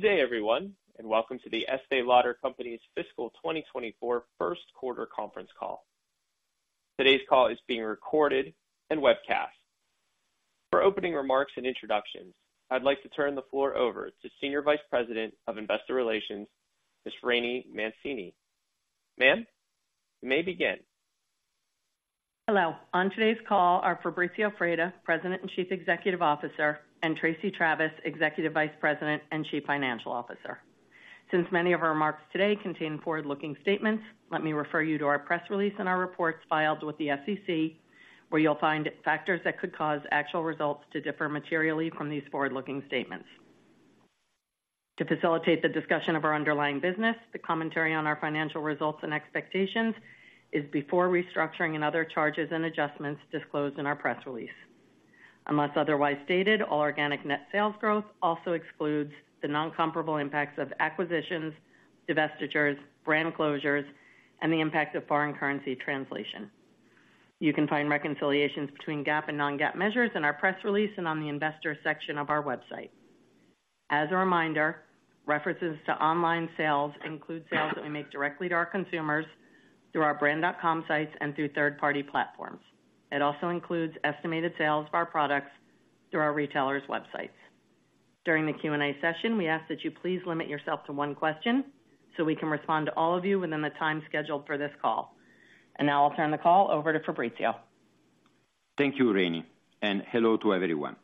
Good day, everyone, and welcome to the Estée Lauder Companies' fiscal 2024 first quarter conference call. Today's call is being recorded and webcast. For opening remarks and introductions, I'd like to turn the floor over to Senior Vice President of Investor Relations, Ms. Rainey Mancini. Ma'am, you may begin. Hello. On today's call are Fabrizio Freda, President and Chief Executive Officer, and Tracey Travis, Executive Vice President and Chief Financial Officer. Since many of our remarks today contain forward-looking statements, let me refer you to our press release and our reports filed with the SEC, where you'll find factors that could cause actual results to differ materially from these forward-looking statements. To facilitate the discussion of our underlying business, the commentary on our financial results and expectations is before restructuring and other charges and adjustments disclosed in our press release. Unless otherwise stated, all organic net sales growth also excludes the non-comparable impacts of acquisitions, divestitures, brand closures, and the impact of foreign currency translation. You can find reconciliations between GAAP and non-GAAP measures in our press release and on the investor section of our website. As a reminder, references to online sales include sales that we make directly to our consumers through our Brand.com sites and through third-party platforms. It also includes estimated sales of our products through our retailers' websites. During the Q&A session, we ask that you please limit yourself to one question, so we can respond to all of you within the time scheduled for this call. And now I'll turn the call over to Fabrizio. Thank you, Rainey, and hello to everyone.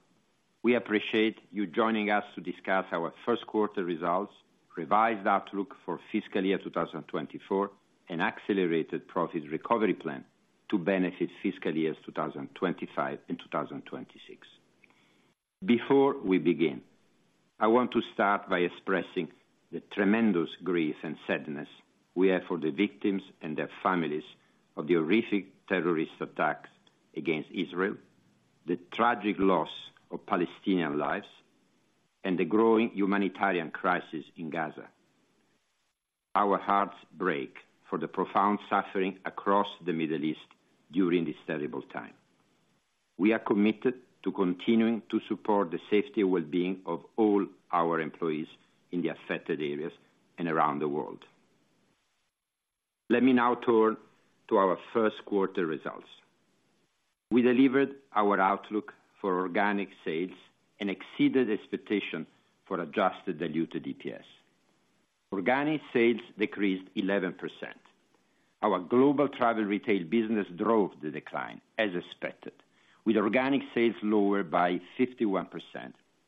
We appreciate you joining us to discuss our first quarter results, revised outlook for fiscal year 2024, and accelerated profit recovery plan to benefit fiscal years 2025 and 2026. Before we begin, I want to start by expressing the tremendous grief and sadness we have for the victims and their families of the horrific terrorist attacks against Israel, the tragic loss of Palestinian lives, and the growing humanitarian crisis in Gaza. Our hearts break for the profound suffering across the Middle East during this terrible time. We are committed to continuing to support the safety and well-being of all our employees in the affected areas and around the world. Let me now turn to our first quarter results. We delivered our outlook for organic sales and exceeded expectation for adjusted diluted EPS. Organic sales decreased 11%. Our Global Travel Retail business drove the decline as expected, with organic sales lower by 51%,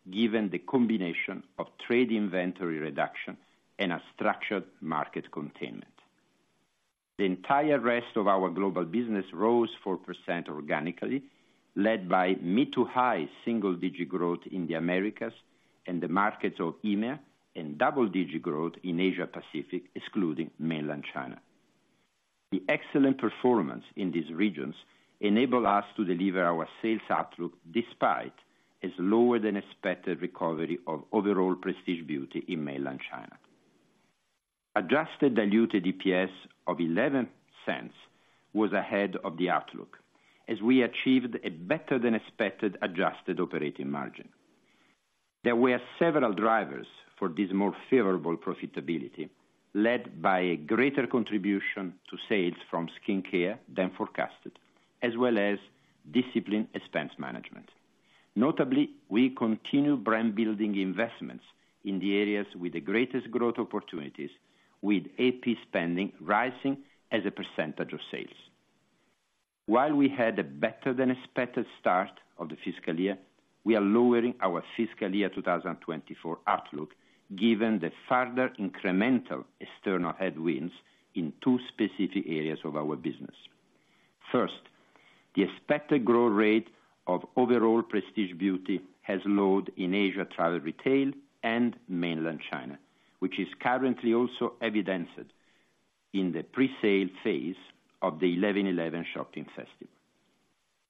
given the combination of trade inventory reduction and a structured market containment. The entire rest of our global business rose 4% organically, led by mid- to high-single-digit growth in the Americas and the markets of EMEA, and double-digit growth in Asia Pacific, excluding Mainland China. The excellent performance in these regions enabled us to deliver our sales outlook, despite its lower than expected recovery of overall prestige beauty in Mainland China. Adjusted diluted EPS of $0.11 was ahead of the outlook, as we achieved a better than expected adjusted operating margin. There were several drivers for this more favorable profitability, led by a greater contribution to sales from skincare than forecasted, as well as disciplined expense management. Notably, we continue brand building investments in the areas with the greatest growth opportunities, with AP spending rising as a percentage of sales. While we had a better than expected start of the fiscal year, we are lowering our fiscal year 2024 outlook, given the further incremental external headwinds in two specific areas of our business. First, the expected growth rate of overall prestige beauty has lowered in Asia Travel Retail and Mainland China, which is currently also evidenced in the presale phase of the 11.11 Shopping Festival.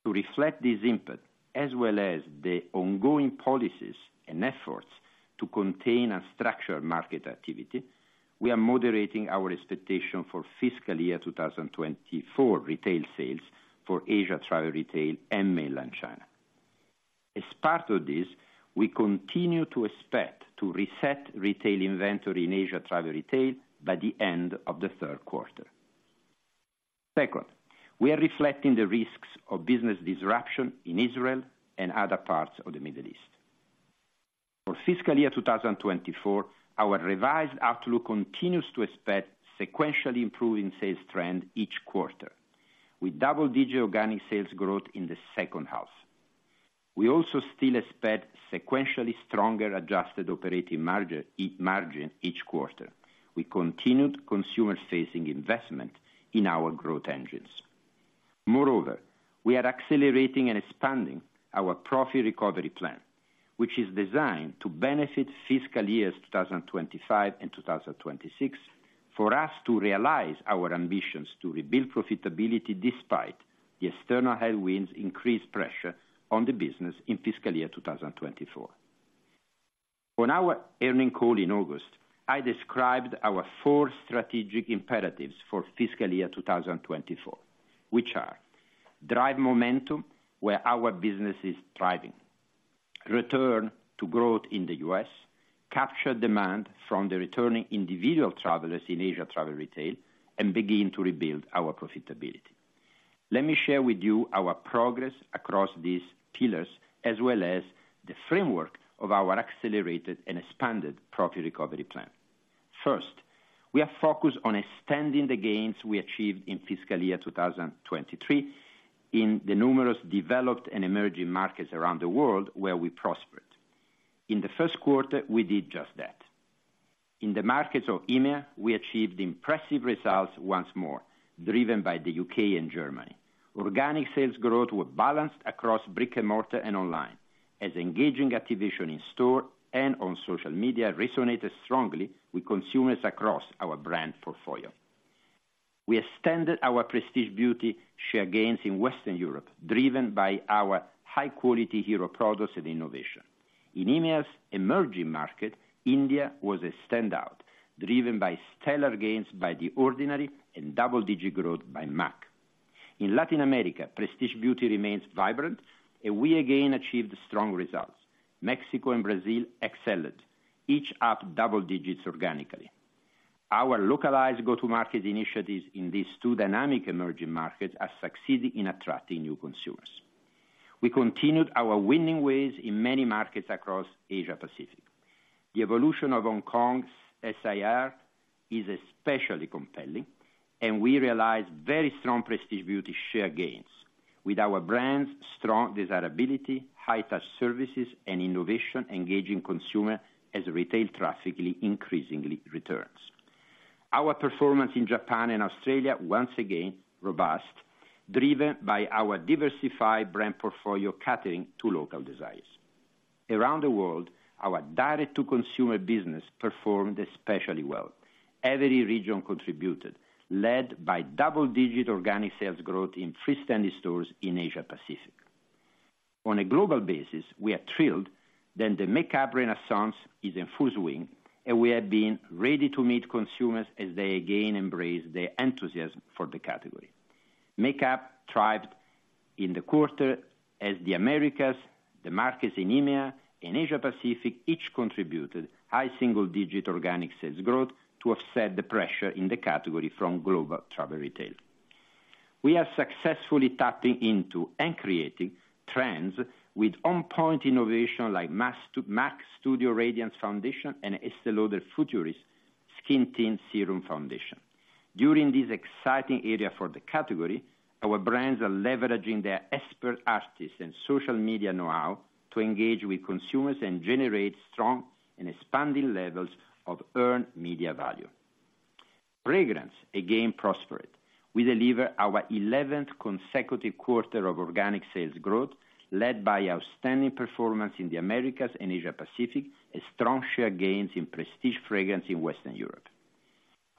To reflect this impact, as well as the ongoing policies and efforts to contain and structure market activity, we are moderating our expectation for fiscal year 2024 retail sales for Asia Travel Retail and Mainland China. As part of this, we continue to expect to reset retail inventory in Asia Travel Retail by the end of the third quarter. Second, we are reflecting the risks of business disruption in Israel and other parts of the Middle East. For fiscal year 2024, our revised outlook continues to expect sequentially improving sales trend each quarter, with double-digit organic sales growth in the second half. We also still expect sequentially stronger adjusted operating margin each quarter. We continued consumer-facing investment in our growth engines. Moreover, we are accelerating and expanding our Profit Recovery Plan, which is designed to benefit fiscal years 2025 and 2026, for us to realize our ambitions to rebuild profitability despite the external headwinds, increased pressure on the business in fiscal year 2024. On our earnings call in August, I described our four strategic imperatives for fiscal year 2024, which are: drive momentum where our business is thriving, return to growth in the U.S., capture demand from the returning individual travelers in Asia Travel Retail, and begin to rebuild our profitability. Let me share with you our progress across these pillars, as well as the framework of our accelerated and expanded Profit Recovery Plan. First, we are focused on extending the gains we achieved in fiscal year 2023 in the numerous developed and emerging markets around the world where we prospered. In the first quarter, we did just that. In the markets of EMEA, we achieved impressive results once more, driven by the U.K. and Germany. Organic sales growth were balanced across brick-and-mortar and online, as engaging activation in store and on social media resonated strongly with consumers across our brand portfolio. We extended our prestige beauty share gains in Western Europe, driven by our high quality hero products and innovation. In EMEA's emerging market, India was a standout, driven by stellar gains by The Ordinary and double-digit growth by M·A·C. In Latin America, prestige beauty remains vibrant, and we again achieved strong results. Mexico and Brazil excelled, each up double digits organically. Our localized go-to-market initiatives in these two dynamic emerging markets are succeeding in attracting new consumers. We continued our winning ways in many markets across Asia Pacific. The evolution of Hong Kong SAR is especially compelling, and we realized very strong prestige beauty share gains with our brands' strong desirability, high-touch services, and innovation, engaging consumer as retail traffic increasingly returns. Our performance in Japan and Australia, once again, robust, driven by our diversified brand portfolio catering to local desires. Around the world, our direct-to-consumer business performed especially well. Every region contributed, led by double-digit organic sales growth in freestanding stores in Asia Pacific. On a global basis, we are thrilled that the makeup renaissance is in full swing, and we have been ready to meet consumers as they again embrace their enthusiasm for the category. Makeup thrived in the quarter as the Americas, the markets in EMEA and Asia Pacific each contributed high single digit organic sales growth to offset the pressure in the category from Global Travel Retail. We are successfully tapping into and creating trends with on point innovation like M·A·C Studio Radiance Foundation and Estée Lauder Futurist SkinTint Serum Foundation. During this exciting era for the category, our brands are leveraging their expert artists and social media know-how to engage with consumers and generate strong and expanding levels of earned media value. Fragrance, again, prospered. We deliver our eleventh consecutive quarter of organic sales growth, led by outstanding performance in the Americas and Asia Pacific, a strong share gains in prestige fragrance in Western Europe.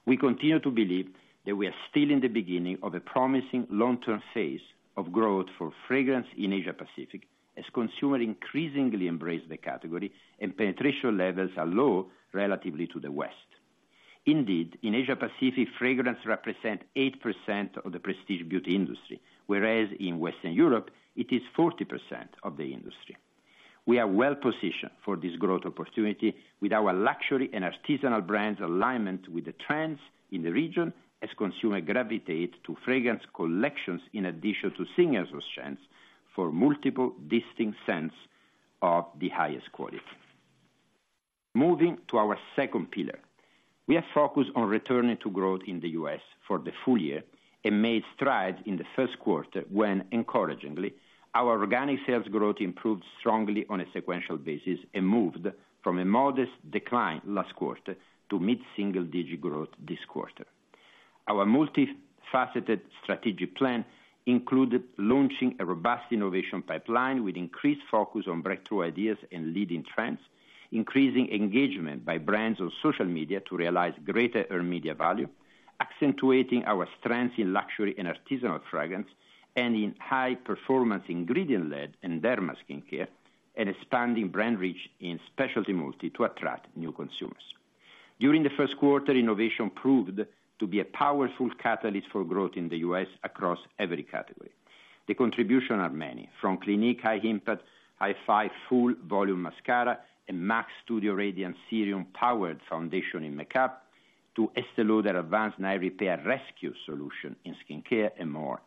We continue to believe that we are still in the beginning of a promising long-term phase of growth for fragrance in Asia Pacific, as consumer increasingly embrace the category and penetration levels are low relatively to the West. Indeed, in Asia Pacific, fragrance represent 8% of the prestige beauty industry, whereas in Western Europe, it is 40% of the industry. We are well positioned for this growth opportunity with our luxury and artisanal brands' alignment with the trends in the region as consumers gravitate to fragrance collections in addition to singular scents for multiple distinct scents of the highest quality. Moving to our second pillar, we are focused on returning to growth in the U.S. for the full year and made strides in the first quarter when, encouragingly, our organic sales growth improved strongly on a sequential basis and moved from a modest decline last quarter to mid-single-digit growth this quarter. Our multifaceted strategic plan included launching a robust innovation pipeline with increased focus on breakthrough ideas and leading trends, increasing engagement by brands on social media to realize greater earned media value, accentuating our strengths in luxury and artisanal fragrance, and in high performance ingredient-led and derma skincare, and expanding brand reach in specialty multi to attract new consumers. During the first quarter, innovation proved to be a powerful catalyst for growth in the U.S. across every category. The contribution are many, from Clinique High Impact High-Fi Full Volume Mascara and M·A·C Studio Radiance Serum Powered Foundation in Makeup, to Estée Lauder Advanced Night Repair Rescue Solution in Skin Care and more.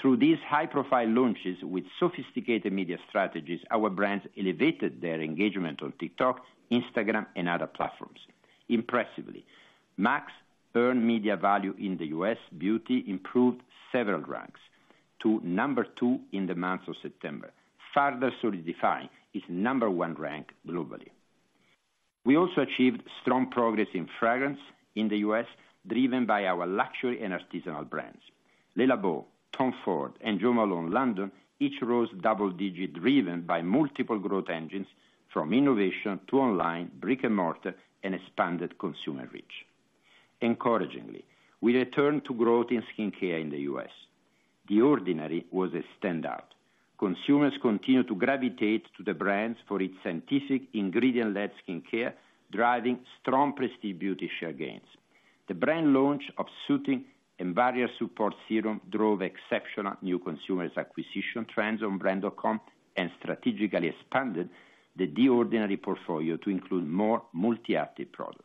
Through these high-profile launches with sophisticated media strategies, our brands elevated their engagement on TikTok, Instagram, and other platforms. Impressively, M·A·C's earned media value in the U.S. beauty improved several ranks to number 2 in the month of September, further solidifying its number one rank globally. We also achieved strong progress in fragrance in the U.S., driven by our luxury and artisanal brands. Le Labo, Tom Ford, and Jo Malone London each rose double-digit, driven by multiple growth engines, from innovation to online, brick-and-mortar, and expanded consumer reach. Encouragingly, we returned to growth in Skin Care in the U.S. The Ordinary was a standout. Consumers continue to gravitate to the brands for its scientific ingredient-led skincare, driving strong prestige beauty share gains. The brand launch of Soothing and Barrier Support Serum drove exceptional new consumer acquisition trends on Brand.com and strategically expanded The Ordinary portfolio to include more multi-active products.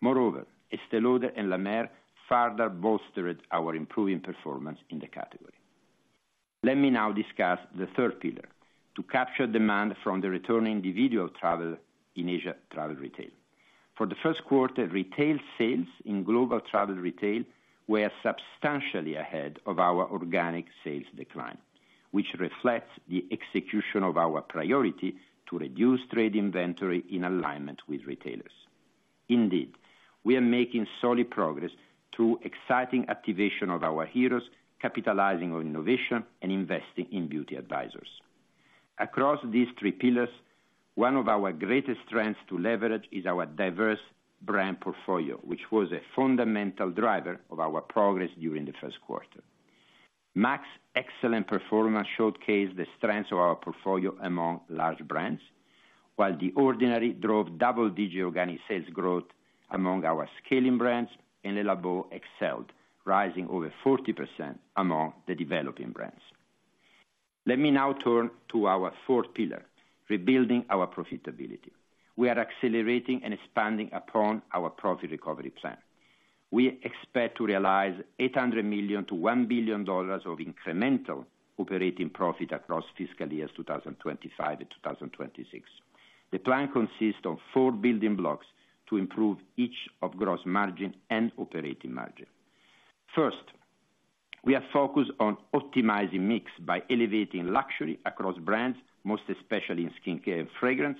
Moreover, Estée Lauder and La Mer further bolstered our improving performance in the category. Let me now discuss the third pillar, to capture demand from the returning individual travel in Asia Travel Retail. For the first quarter, retail sales in Global Travel Retail were substantially ahead of our organic sales decline, which reflects the execution of our priority to reduce trade inventory in alignment with retailers. Indeed, we are making solid progress through exciting activation of our heroes, capitalizing on innovation, and investing in beauty advisors. Across these three pillars, one of our greatest strengths to leverage is our diverse brand portfolio, which was a fundamental driver of our progress during the first quarter. M·A·C's excellent performance showcased the strengths of our portfolio among large brands, while The Ordinary drove double-digit organic sales growth among our scaling brands, and Le Labo excelled, rising over 40% among the developing brands. Let me now turn to our fourth pillar, rebuilding our profitability. We are accelerating and expanding upon our Profit Recovery Plan. We expect to realize $800 million-$1 billion of incremental operating profit across fiscal years 2025 and 2026. The plan consists of four building blocks to improve each of gross margin and operating margin. First, we are focused on optimizing mix by elevating luxury across brands, most especially in skincare and fragrance,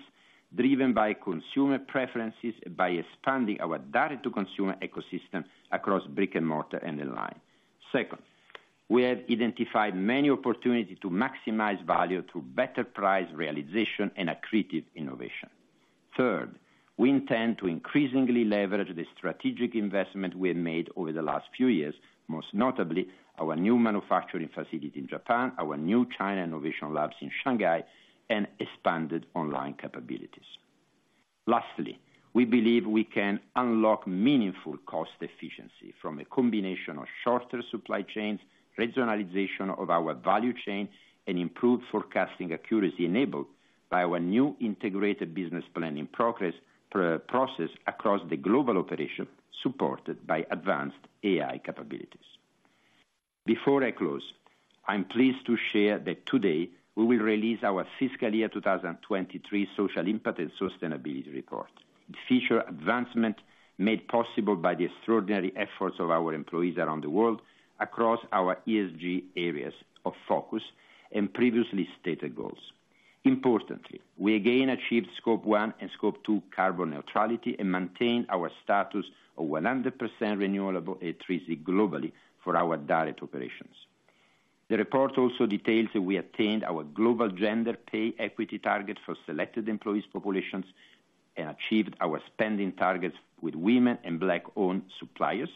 driven by consumer preferences, by expanding our direct-to-consumer ecosystem across brick-and-mortar and online. Second, we have identified many opportunities to maximize value through better price realization and accretive innovation. Third, we intend to increasingly leverage the strategic investment we have made over the last few years, most notably our new manufacturing facility in Japan, our new China innovation labs in Shanghai, and expanded online capabilities. Lastly, we believe we can unlock meaningful cost efficiency from a combination of shorter supply chains, regionalization of our value chain, and improved forecasting accuracy enabled by our new integrated business planning progress, process across the global operation, supported by advanced AI capabilities. Before I close, I'm pleased to share that today we will release our fiscal year 2023 Social Impact and Sustainability Report. It features advancement made possible by the extraordinary efforts of our employees around the world, across our ESG areas of focus and previously stated goals. Importantly, we again achieved Scope 1 and Scope 2 carbon neutrality and maintained our status of 100% renewable RE100 globally for our direct operations. The report also details that we attained our Global Gender Pay Equity target for selected employees populations, and achieved our spending targets with women and Black-owned suppliers,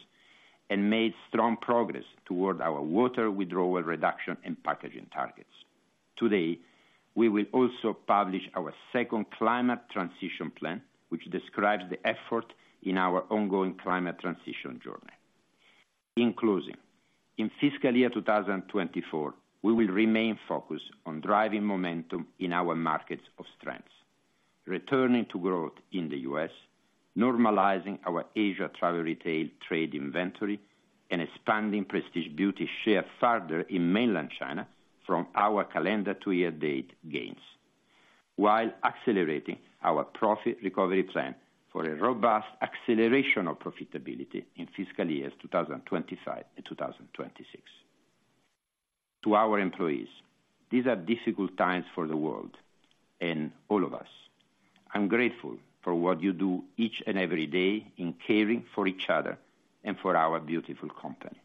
and made strong progress toward our water withdrawal reduction and packaging targets. Today, we will also publish our second Climate Transition Plan, which describes the effort in our ongoing climate transition journey. In closing, in fiscal year 2024, we will remain focused on driving momentum in our markets of strengths, returning to growth in the U.S., normalizing our Asia Travel Retail trade inventory, and expanding prestige beauty share further in Mainland China from our calendar year-to-date gains, while accelerating our Profit Recovery Plan for a robust acceleration of profitability in fiscal years 2025 and 2026. To our employees, these are difficult times for the world and all of us. I'm grateful for what you do each and every day in caring for each other and for our beautiful company.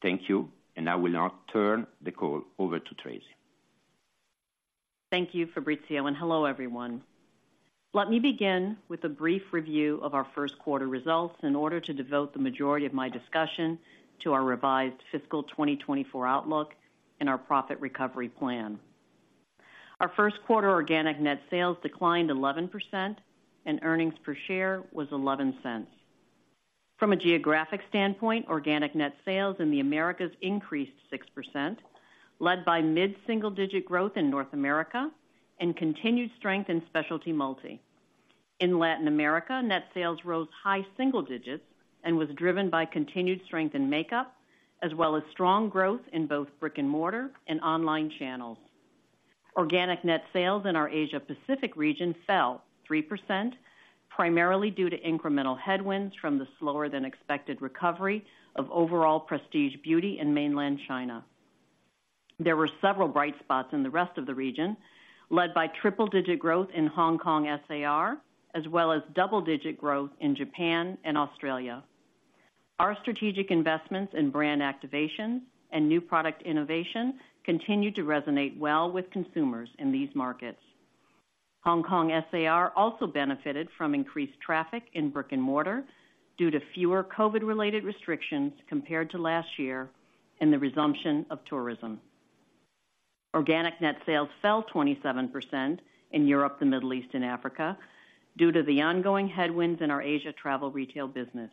Thank you, and I will now turn the call over to Tracey. Thank you, Fabrizio, and hello, everyone. Let me begin with a brief review of our first quarter results in order to devote the majority of my discussion to our revised fiscal 2024 outlook and our profit recovery plan. Our first quarter organic net sales declined 11%, and earnings per share was $0.11. From a geographic standpoint, organic net sales in the Americas increased 6%, led by mid-single digit growth in North America and continued strength in specialty multi. In Latin America, net sales rose high single digits and was driven by continued strength in Makeup, as well as strong growth in both brick-and-mortar and online channels. Organic net sales in our Asia Pacific region fell 3%, primarily due to incremental headwinds from the slower than expected recovery of overall prestige beauty in Mainland China. There were several bright spots in the rest of the region, led by triple-digit growth in Hong Kong SAR, as well as double-digit growth in Japan and Australia. Our strategic investments in brand activation and new product innovation continue to resonate well with consumers in these markets. Hong Kong SAR also benefited from increased traffic in brick-and-mortar due to fewer COVID-related restrictions compared to last year and the resumption of tourism. Organic net sales fell 27% in Europe, the Middle East, and Africa, due to the ongoing headwinds in our Asia Travel Retail business.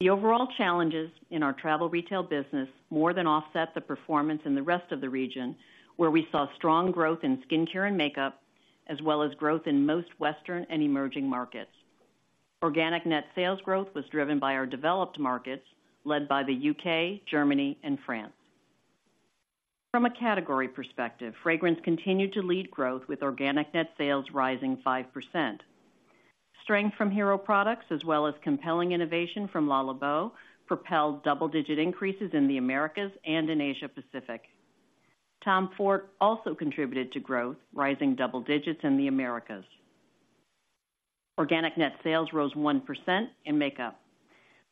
The overall challenges in our Travel Retail business more than offset the performance in the rest of the region, where we saw strong growth in Skin Care and Makeup, as well as growth in most Western and emerging markets. Organic net sales growth was driven by our developed markets, led by the U.K., Germany, and France. From a category perspective, fragrance continued to lead growth, with organic net sales rising 5%. Strength from hero products, as well as compelling innovation from Le Labo, propelled double-digit increases in the Americas and in Asia Pacific. Tom Ford also contributed to growth, rising double digits in the Americas. Organic net sales rose 1% in Makeup.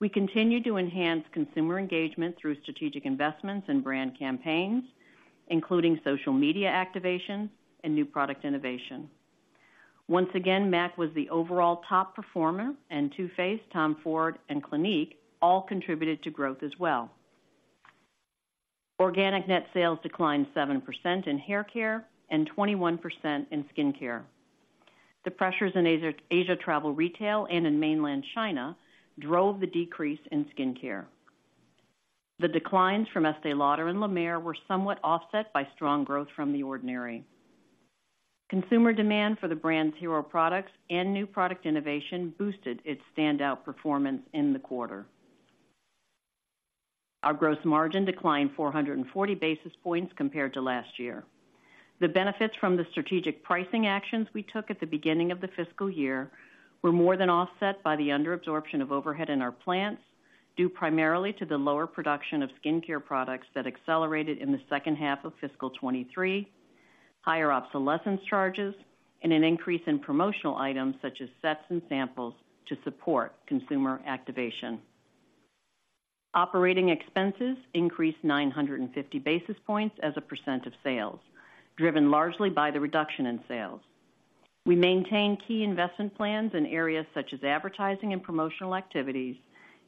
We continue to enhance consumer engagement through strategic investments and brand campaigns, including social media activations and new product innovation. Once again, M·A·C was the overall top performer, and Too Faced, Tom Ford, and Clinique all contributed to growth as well. Organic net sales declined 7% in hair care and 21% in Skin Care. The pressures in Asia Travel Retail, and in Mainland China drove the decrease in Skin Care. The declines from Estée Lauder and La Mer were somewhat offset by strong growth from The Ordinary. Consumer demand for the brand's hero products and new product innovation boosted its standout performance in the quarter. Our gross margin declined 440 basis points compared to last year. The benefits from the strategic pricing actions we took at the beginning of the fiscal year were more than offset by the under absorption of overhead in our plants, due primarily to the lower production of skincare products that accelerated in the second half of fiscal 2023, higher obsolescence charges, and an increase in promotional items such as sets and samples to support consumer activation. Operating expenses increased 950 basis points as a percentage of sales, driven largely by the reduction in sales. We maintained key investment plans in areas such as advertising and promotional activities,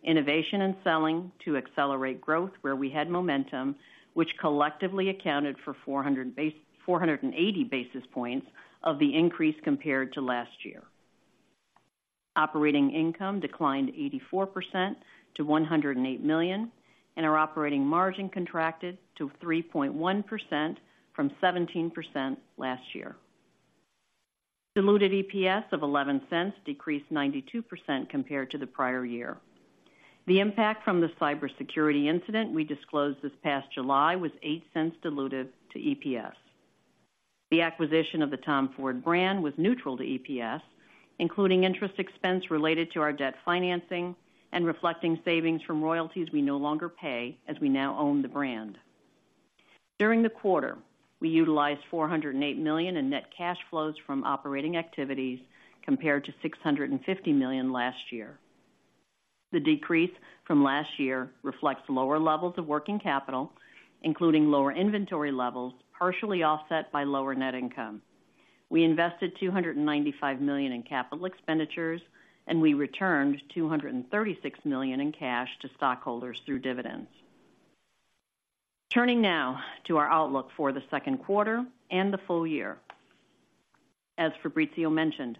innovation and selling to accelerate growth where we had momentum, which collectively accounted for 480 basis points of the increase compared to last year. Operating income declined 84% to $108 million, and our operating margin contracted to 3.1% from 17% last year. Diluted EPS of $0.11 decreased 92% compared to the prior year. The impact from the cybersecurity incident we disclosed this past July was $0.08 to diluted EPS. The acquisition of the Tom Ford brand was neutral to EPS, including interest expense related to our debt financing and reflecting savings from royalties we no longer pay as we now own the brand. During the quarter, we utilized $408 million in net cash flows from operating activities, compared to $650 million last year. The decrease from last year reflects lower levels of working capital, including lower inventory levels, partially offset by lower net income. We invested $295 million in capital expenditures, and we returned $236 million in cash to stockholders through dividends. Turning now to our outlook for the second quarter and the full year. As Fabrizio mentioned,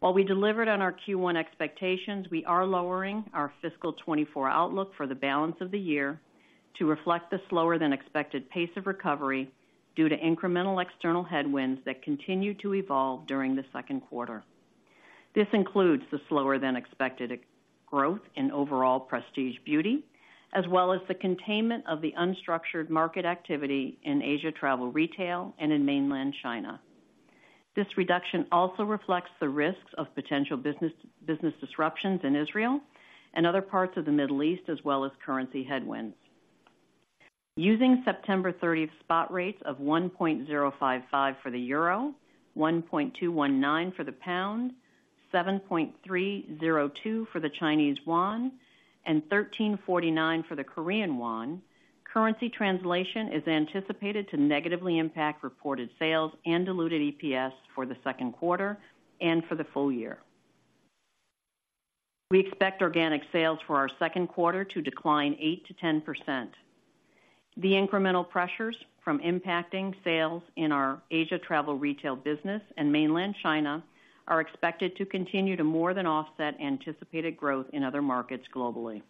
while we delivered on our Q1 expectations, we are lowering our fiscal 2024 outlook for the balance of the year to reflect the slower-than-expected pace of recovery due to incremental external headwinds that continue to evolve during the second quarter. This includes the slower-than-expected growth in overall prestige beauty, as well as the containment of the unstructured market activity in Asia Travel Retail, and in Mainland China. This reduction also reflects the risks of potential business, business disruptions in Israel and other parts of the Middle East, as well as currency headwinds. Using September 30th spot rates of 1.055 for the European Euro, 1.219 for the British Pound, 7.302 for the Chinese Yuan, and 1,349 for the South Korean Won, currency translation is anticipated to negatively impact reported sales and diluted EPS for the second quarter and for the full year. We expect organic sales for our second quarter to decline 8%-10%. The incremental pressures from impacting sales in our Asia Travel Retail business and Mainland China are expected to continue to more than offset anticipated growth in other markets globally.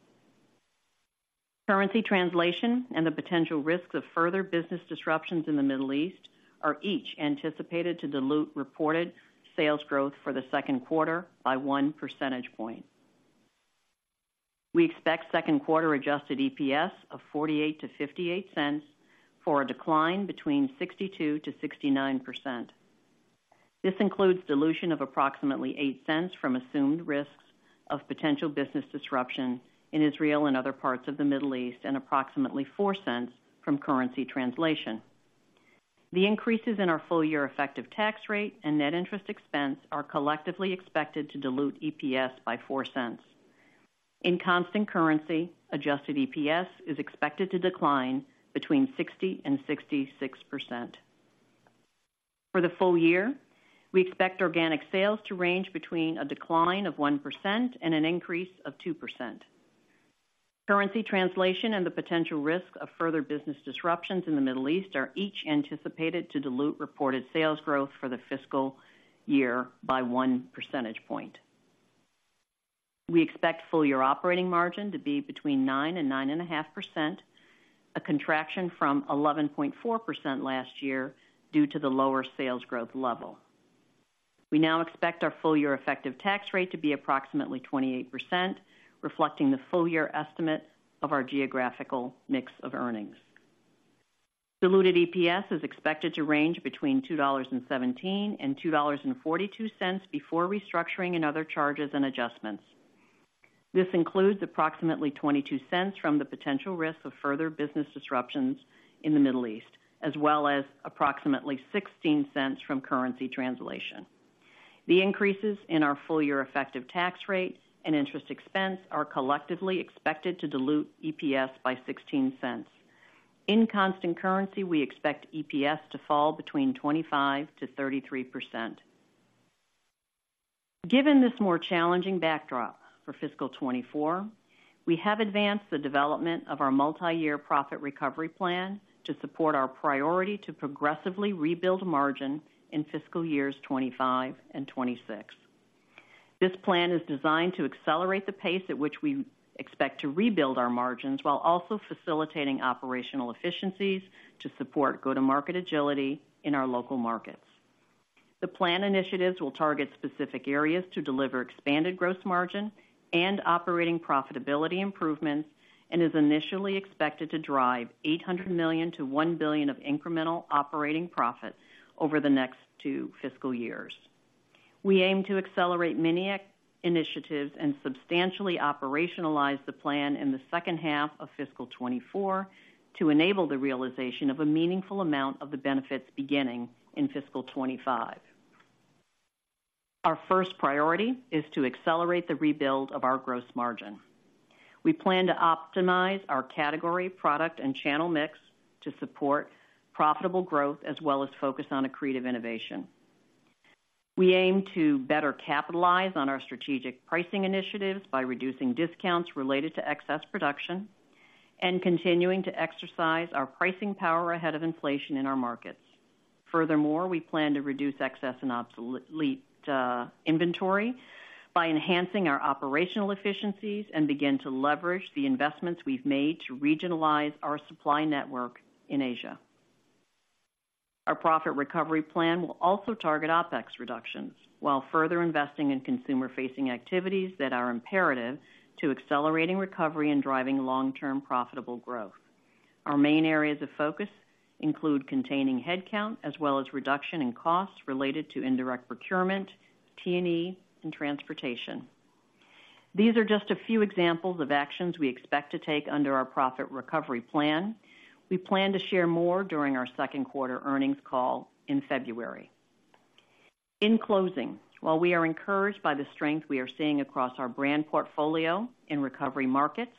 Currency translation and the potential risks of further business disruptions in the Middle East are each anticipated to dilute reported sales growth for the second quarter by one percentage point. We expect second quarter adjusted EPS of $0.48-$0.58 for a decline between 62%-69%. This includes dilution of approximately $0.08 from assumed risks of potential business disruption in Israel and other parts of the Middle East, and approximately $0.04 from currency translation. The increases in our full-year effective tax rate and net interest expense are collectively expected to dilute EPS by $0.04. In constant currency, adjusted EPS is expected to decline between 60%-66%. For the full year, we expect organic sales to range between -1% and +2%. Currency translation and the potential risk of further business disruptions in the Middle East are each anticipated to dilute reported sales growth for the fiscal year by 1 percentage point. We expect full year operating margin to be between 9%-9.5%, a contraction from 11.4% last year due to the lower sales growth level. We now expect our full year effective tax rate to be approximately 28%, reflecting the full year estimate of our geographical mix of earnings. Diluted EPS is expected to range between $2.17-$2.42 before restructuring and other charges and adjustments. This includes approximately $0.22 from the potential risk of further business disruptions in the Middle East, as well as approximately $0.16 from currency translation. The increases in our full year effective tax rate and interest expense are collectively expected to dilute EPS by $0.16. In constant currency, we expect EPS to fall between 25%-33%. Given this more challenging backdrop for fiscal 2024, we have advanced the development of our multiyear Profit Recovery Plan to support our priority to progressively rebuild margin in fiscal years 2025 and 2026. This plan is designed to accelerate the pace at which we expect to rebuild our margins, while also facilitating operational efficiencies to support go-to-market agility in our local markets. The plan initiatives will target specific areas to deliver expanded gross margin and operating profitability improvements, and is initially expected to drive $800 million-$1 billion of incremental operating profit over the next two fiscal years. We aim to accelerate many initiatives and substantially operationalize the plan in the second half of fiscal 2024 to enable the realization of a meaningful amount of the benefits beginning in fiscal 2025. Our first priority is to accelerate the rebuild of our gross margin. We plan to optimize our category, product, and channel mix to support profitable growth, as well as focus on accretive innovation. We aim to better capitalize on our strategic pricing initiatives by reducing discounts related to excess production and continuing to exercise our pricing power ahead of inflation in our markets. Furthermore, we plan to reduce excess and obsolete inventory by enhancing our operational efficiencies and begin to leverage the investments we've made to regionalize our supply network in Asia. Our Profit Recovery Plan will also target OpEx reductions, while further investing in consumer-facing activities that are imperative to accelerating recovery and driving long-term profitable growth. Our main areas of focus include containing headcount, as well as reduction in costs related to indirect procurement, T&E, and transportation. These are just a few examples of actions we expect to take under our Profit Recovery Plan. We plan to share more during our second quarter earnings call in February. In closing, while we are encouraged by the strength we are seeing across our brand portfolio in recovery markets,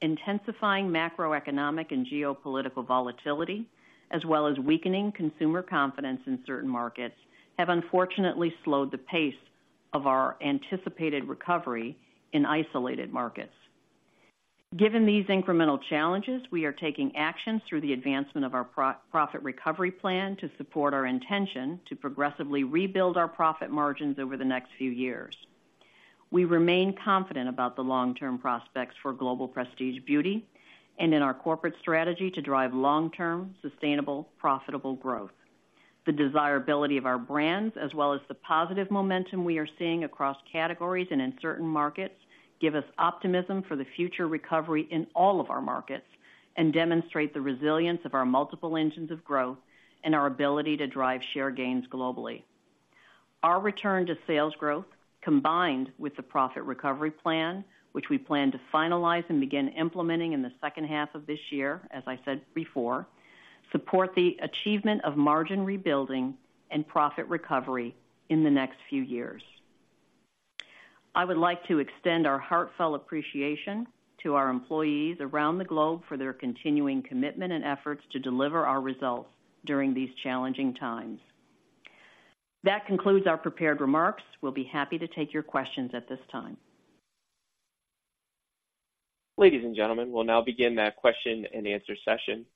intensifying macroeconomic and geopolitical volatility, as well as weakening consumer confidence in certain markets, have unfortunately slowed the pace of our anticipated recovery in isolated markets. Given these incremental challenges, we are taking actions through the advancement of our Profit Recovery Plan to support our intention to progressively rebuild our profit margins over the next few years. We remain confident about the long-term prospects for global prestige beauty and in our corporate strategy to drive long-term, sustainable, profitable growth. The desirability of our brands, as well as the positive momentum we are seeing across categories and in certain markets, give us optimism for the future recovery in all of our markets and demonstrate the resilience of our multiple engines of growth and our ability to drive share gains globally. Our return to sales growth, combined with the Profit Recovery Plan, which we plan to finalize and begin implementing in the second half of this year, as I said before, support the achievement of margin rebuilding and profit recovery in the next few years. I would like to extend our heartfelt appreciation to our employees around the globe for their continuing commitment and efforts to deliver our results during these challenging times. That concludes our prepared remarks. We'll be happy to take your questions at this time. Ladies and gentlemen, we'll now begin the question-and-answer session.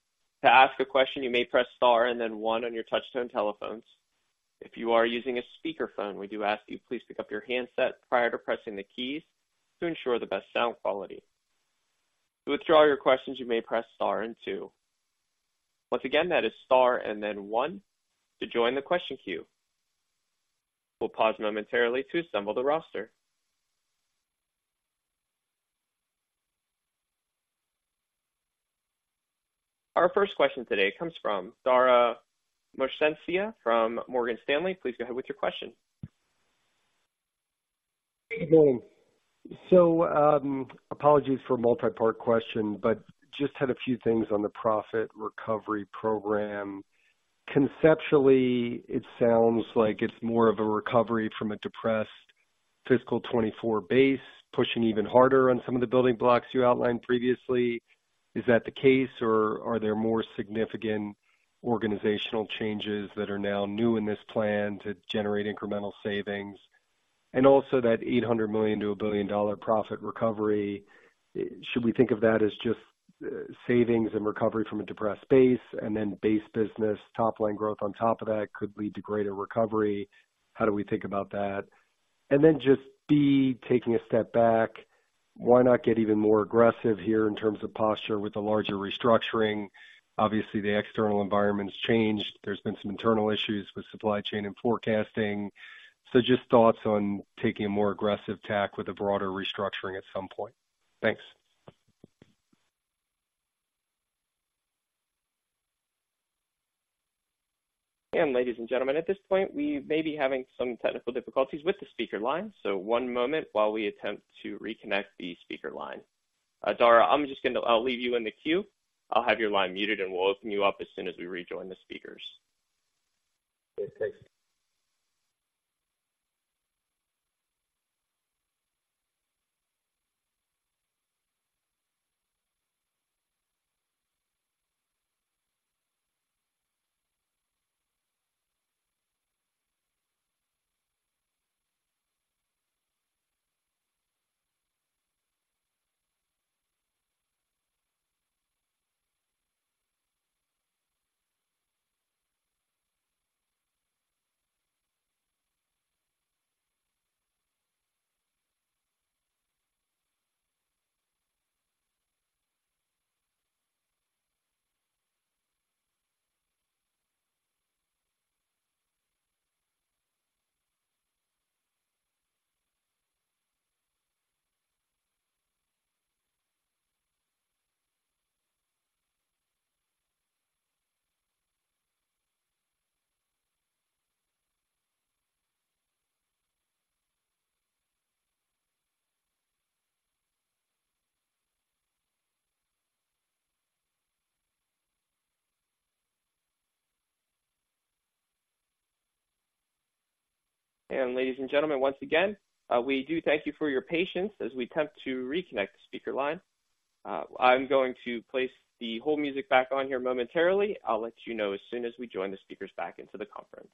To ask a question, you may press star and then one on your touchtone telephones. If you are using a speakerphone, we do ask you please pick up your handset prior to pressing the keys to ensure the best sound quality. To withdraw your questions, you may press star and two. Once again, that is star and then one to join the question queue. We'll pause momentarily to assemble the roster. Our first question today comes from Dara Mohsenian from Morgan Stanley. Please go ahead with your question. Good morning. Apologies for a multipart question, but just had a few things on the Profit Recovery Plan conceptually, it sounds like it's more of a recovery from a depressed fiscal 2024 base, pushing even harder on some of the building blocks you outlined previously. Is that the case, or are there more significant organizational changes that are now new in this plan to generate incremental savings? And also that $800 million-$1 billion profit recovery, should we think of that as just savings and recovery from a depressed base and then base business top line growth on top of that could lead to greater recovery? How do we think about that? And then just B, taking a step back, why not get even more aggressive here in terms of posture with a larger restructuring? Obviously, the external environment's changed. There's been some internal issues with supply chain and forecasting. Just thoughts on taking a more aggressive tack with a broader restructuring at some point. Thanks. Ladies and gentlemen, at this point, we may be having some technical difficulties with the speaker line. One moment while we attempt to reconnect the speaker line. Dara, I'm just going to, I'll leave you in the queue. I'll have your line muted, and we'll open you up as soon as we rejoin the speakers. Okay, thanks. And ladies and gentlemen, once again, we do thank you for your patience as we attempt to reconnect the speaker line. I'm going to place the hold music back on here momentarily. I'll let you know as soon as we join the speakers back into the conference.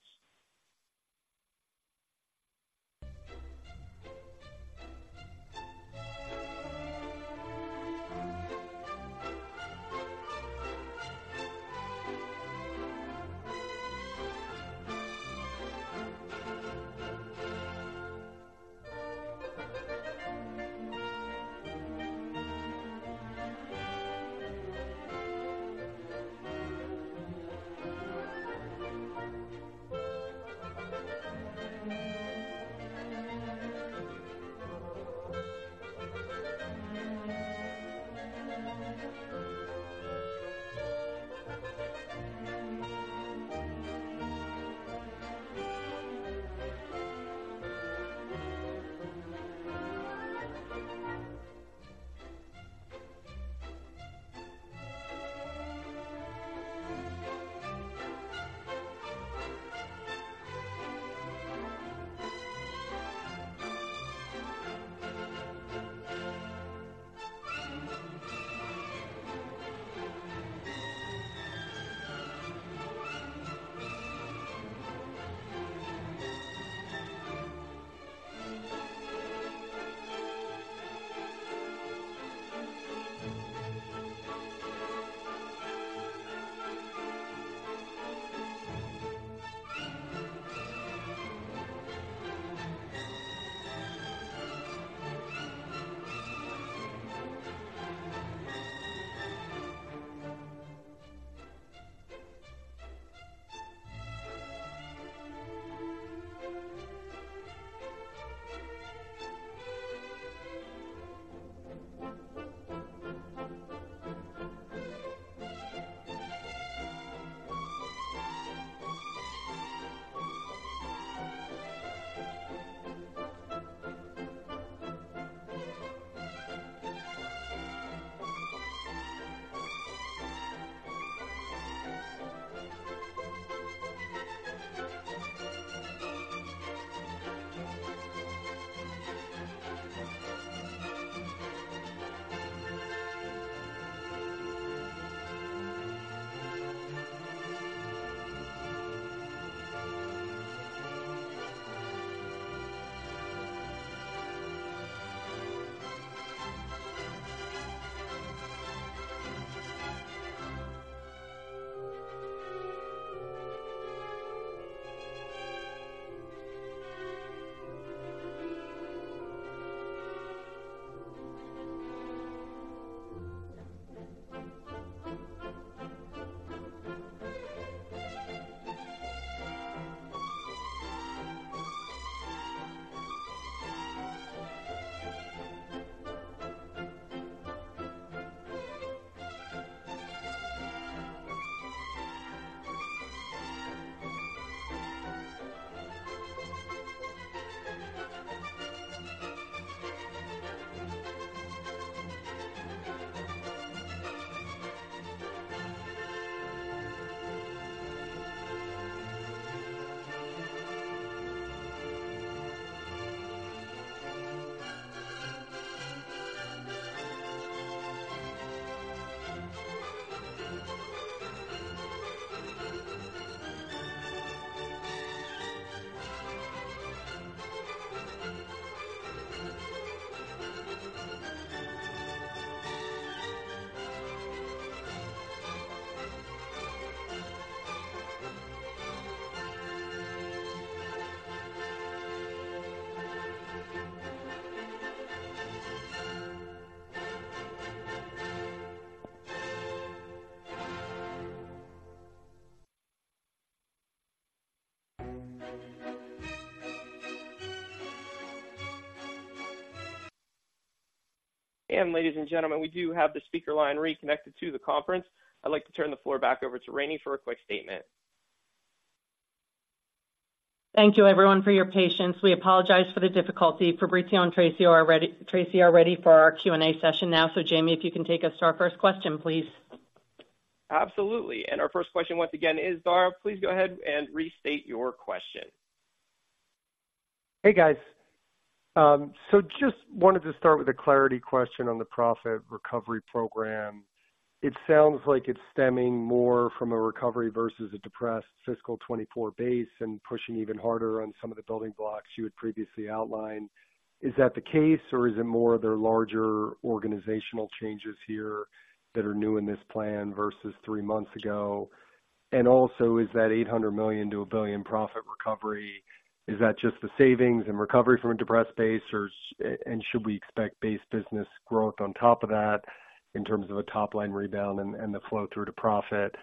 And ladies and gentlemen, we do have the speaker line reconnected to the conference. I'd like to turn the floor back over to Rainey for a quick statement. Thank you, everyone, for your patience. We apologize for the difficulty. Fabrizio and Tracey are ready for our Q&A session now. So, Jamie, if you can take us to our first question, please. Absolutely. Our first question once again is Dara. Please go ahead and restate your question. Hey, guys. So just wanted to start with a clarity question on the profit recovery program. It sounds like it's stemming more from a recovery versus a depressed fiscal 2024 base and pushing even harder on some of the building blocks you had previously outlined. Is that the case, or is it more of their larger organizational changes here that are new in this plan versus three months ago? And also, is that $800 million-$1 billion profit recovery, is that just the savings and recovery from a depressed base, or and should we expect base business growth on top of that in terms of a top-line rebound and, and the flow through to profit?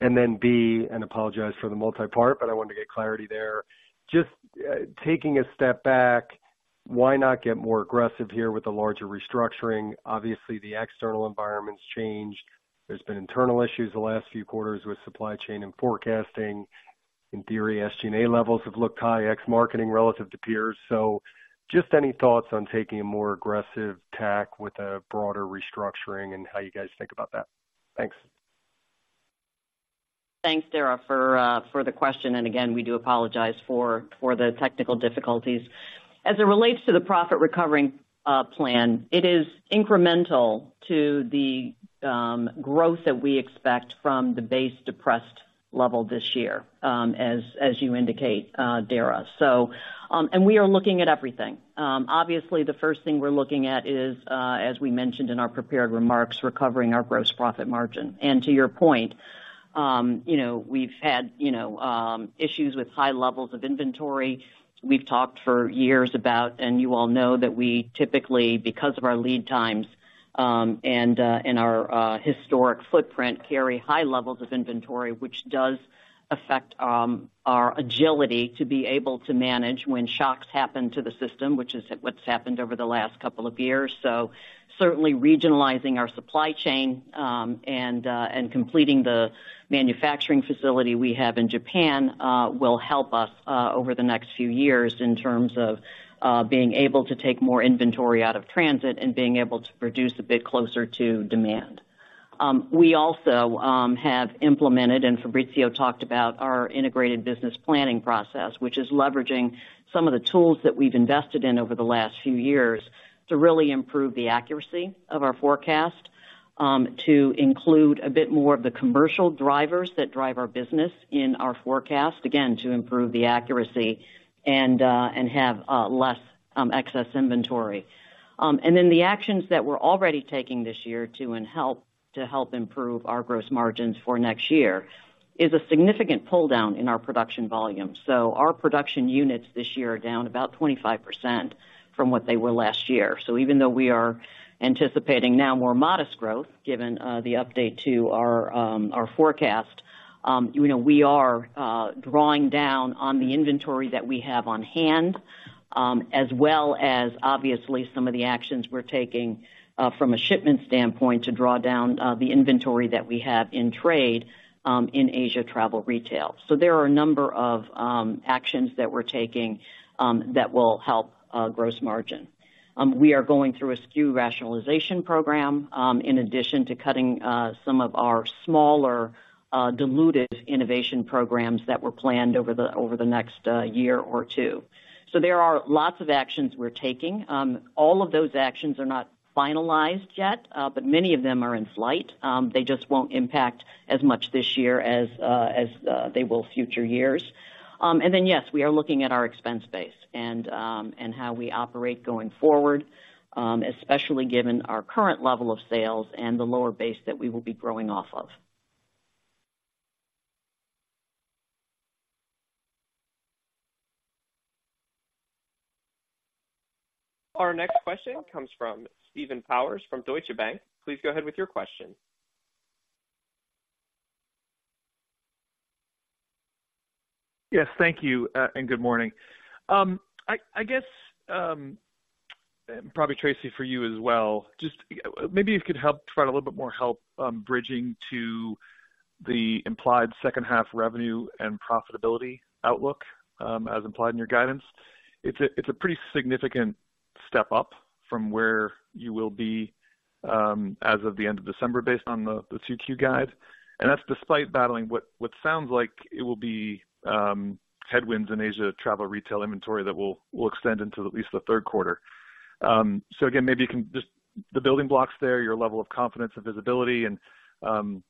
And then B, and apologize for the multipart, but I wanted to get clarity there. Just, taking a step back, why not get more aggressive here with the larger restructuring? Obviously, the external environment's changed. There's been internal issues the last few quarters with supply chain and forecasting. In theory, SG&A levels have looked high, ex-marketing relative to peers. So just any thoughts on taking a more aggressive tack with a broader restructuring and how you guys think about that? Thanks. Thanks, Dara, for the question, and again, we do apologize for the technical difficulties. As it relates to the Profit Recovery Plan, it is incremental to the growth that we expect from the base depressed level this year, as you indicate, Dara. We are looking at everything. Obviously, the first thing we're looking at is, as we mentioned in our prepared remarks, recovering our gross profit margin. And to your point, you know, we've had, you know, issues with high levels of inventory. We've talked for years about, and you all know that we typically, because of our lead times, and our historic footprint, carry high levels of inventory, which does affect our agility to be able to manage when shocks happen to the system, which is what's happened over the last couple of years. So certainly regionalizing our supply chain, and completing the manufacturing facility we have in Japan, will help us over the next few years in terms of being able to take more inventory out of transit and being able to produce a bit closer to demand. We also have implemented, and Fabrizio talked about our integrated business planning process, which is leveraging some of the tools that we've invested in over the last few years to really improve the accuracy of our forecast, to include a bit more of the commercial drivers that drive our business in our forecast, again, to improve the accuracy and have less excess inventory. And then the actions that we're already taking this year to help improve our gross margins for next year is a significant pull down in our production volume. So our production units this year are down about 25% from what they were last year. So even though we are anticipating now more modest growth, given the update to our forecast, you know, we are drawing down on the inventory that we have on hand, as well as obviously some of the actions we're taking from a shipment standpoint to draw down the inventory that we have in trade in Asia Travel Retail. So there are a number of actions that we're taking that will help gross margin. We are going through a SKU rationalization program, in addition to cutting some of our smaller diluted innovation programs that were planned over the next year or two. So there are lots of actions we're taking. All of those actions are not finalized yet, but many of them are in flight. They just won't impact as much this year as they will future years. And then, yes, we are looking at our expense base and how we operate going forward, especially given our current level of sales and the lower base that we will be growing off of. Our next question comes from Steve Powers from Deutsche Bank. Please go ahead with your question. Yes, thank you, and good morning. I guess, and probably Tracey, for you as well, just maybe you could help provide a little bit more help, bridging to the implied second half revenue and profitability outlook, as implied in your guidance. It's a pretty significant step up from where you will be, as of the end of December, based on the 2Q guide, and that's despite battling what sounds like it will be headwinds in Asia Travel Retail inventory that will extend into at least the third quarter. So again, maybe you can just the building blocks there, your level of confidence and visibility and,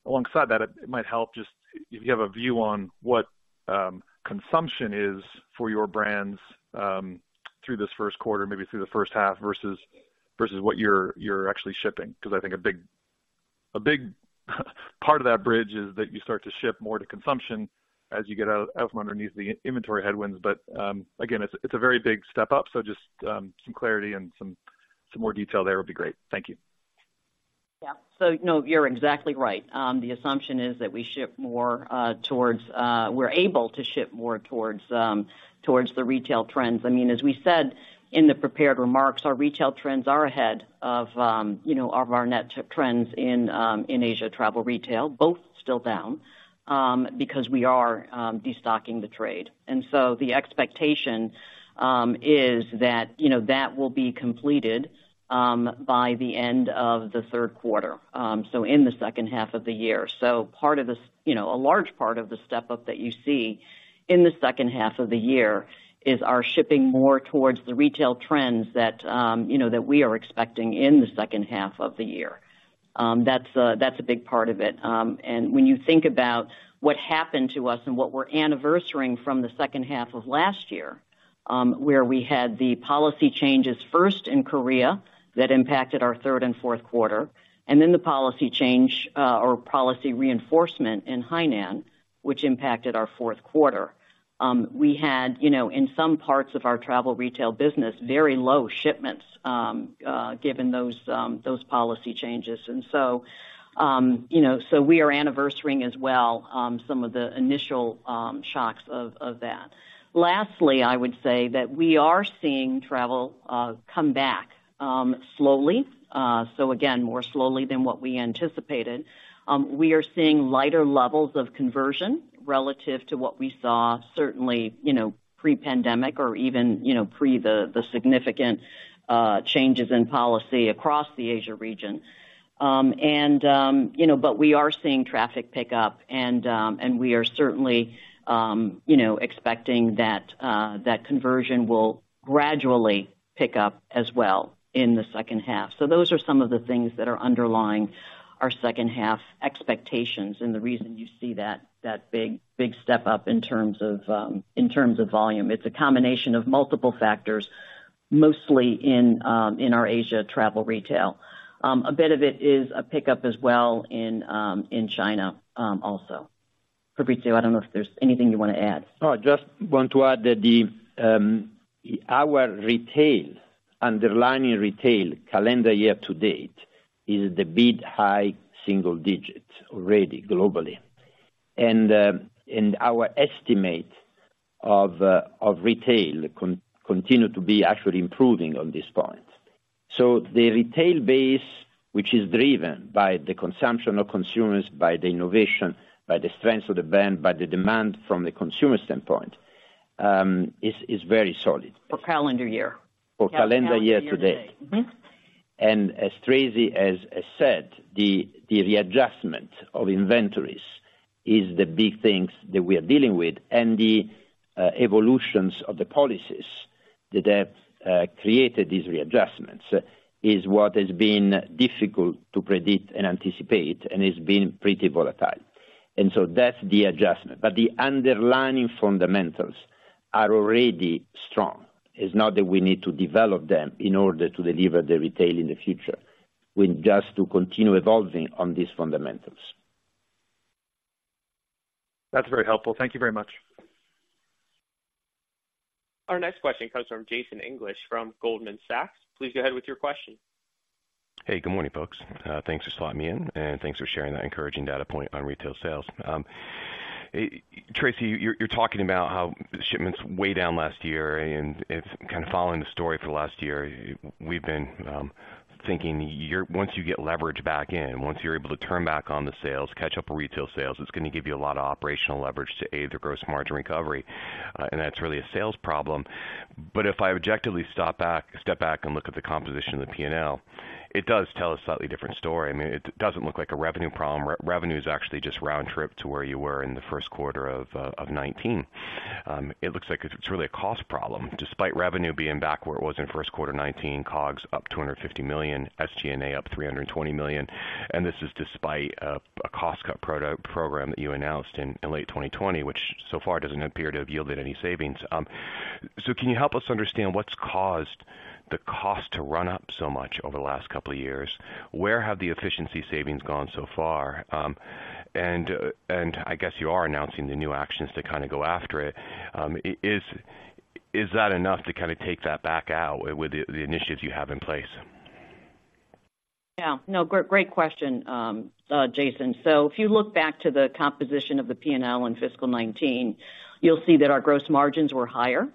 alongside that, it might help just if you have a view on what consumption is for your brands, through this first quarter, maybe through the first half, versus what you're actually shipping. Because I think a big part of that bridge is that you start to ship more to consumption as you get out from underneath the inventory headwinds. But again, it's a very big step up. So just some clarity and some more detail there would be great. Thank you. Yeah. So no, you're exactly right. The assumption is that we ship more towards the retail trends. We're able to ship more towards the retail trends. I mean, as we said in the prepared remarks, our retail trends are ahead of, you know, of our net trends in Asia Travel Retail. Both still down, because we are destocking the trade. And so the expectation is that, you know, that will be completed by the end of the third quarter, so in the second half of the year. So part of the, you know, a large part of the step up that you see in the second half of the year is our shipping more towards the retail trends that, you know, that we are expecting in the second half of the year. That's a big part of it. And when you think about what happened to us and what we're anniversarying from the second half of last year, where we had the policy changes first in Korea, that impacted our third and fourth quarter, and then the policy change, or policy reinforcement in Hainan, which impacted our fourth quarter. We had, you know, in some parts of our Travel Retail business, very low shipments, given those policy changes. And so, you know, so we are anniversarying as well, some of the initial shocks of that. Lastly, I would say that we are seeing travel come back slowly. So again, more slowly than what we anticipated. We are seeing lighter levels of conversion relative to what we saw certainly, you know, pre-pandemic or even, you know, pre the significant changes in policy across the Asia region. But we are seeing traffic pick up and we are certainly, you know, expecting that conversion will gradually pick up as well in the second half. So those are some of the things that are underlying our second half expectations and the reason you see that big, big step up in terms of volume. It's a combination of multiple factors, mostly in our Asia Travel Retail. A bit of it is a pickup as well in China also. Fabrizio, I don't know if there's anything you want to add. No, I just want to add that our retail, underlying retail calendar year to date is the mid-high single digits already globally. And, and our estimate of, of retail continue to be actually improving on this point. So the retail base, which is driven by the consumption of consumers, by the innovation, by the strength of the brand, by the demand from the consumer standpoint, is very solid. For calendar year. For calendar year to date. As Tracey has said, the readjustment of inventories is the big things that we are dealing with, and the evolutions of the policies that have created these readjustments is what has been difficult to predict and anticipate, and it's been pretty volatile. That's the adjustment. But the underlying fundamentals are already strong. It's not that we need to develop them in order to deliver the retail in the future, we just to continue evolving on these fundamentals. That's very helpful. Thank you very much. Our next question comes from Jason English, from Goldman Sachs. Please go ahead with your question. Hey, good morning, folks. Thanks for slotting me in, and thanks for sharing that encouraging data point on retail sales. Tracey, you're talking about how shipments way down last year, and it's kind of following the story for the last year. We've been thinking once you get leverage back in, once you're able to turn back on the sales, catch up on retail sales, it's gonna give you a lot of operational leverage to aid the gross margin recovery, and that's really a sales problem. But if I objectively step back and look at the composition of the P&L, it does tell a slightly different story. I mean, it doesn't look like a revenue problem. Revenue is actually just round trip to where you were in the first quarter of 2019. It looks like it's really a cost problem, despite revenue being back where it was in first quarter 2019, COGS up $250 million, SG&A up $320 million, and this is despite a cost cut program that you announced in late 2020, which so far doesn't appear to have yielded any savings. So can you help us understand what's caused the cost to run up so much over the last couple of years? Where have the efficiency savings gone so far? And I guess you are announcing the new actions to kind of go after it. Is that enough to kind of take that back out with the initiatives you have in place? Yeah. No, great question, Jason. So if you look back to the composition of the P&L in fiscal 2019, you'll see that our gross margins were higher.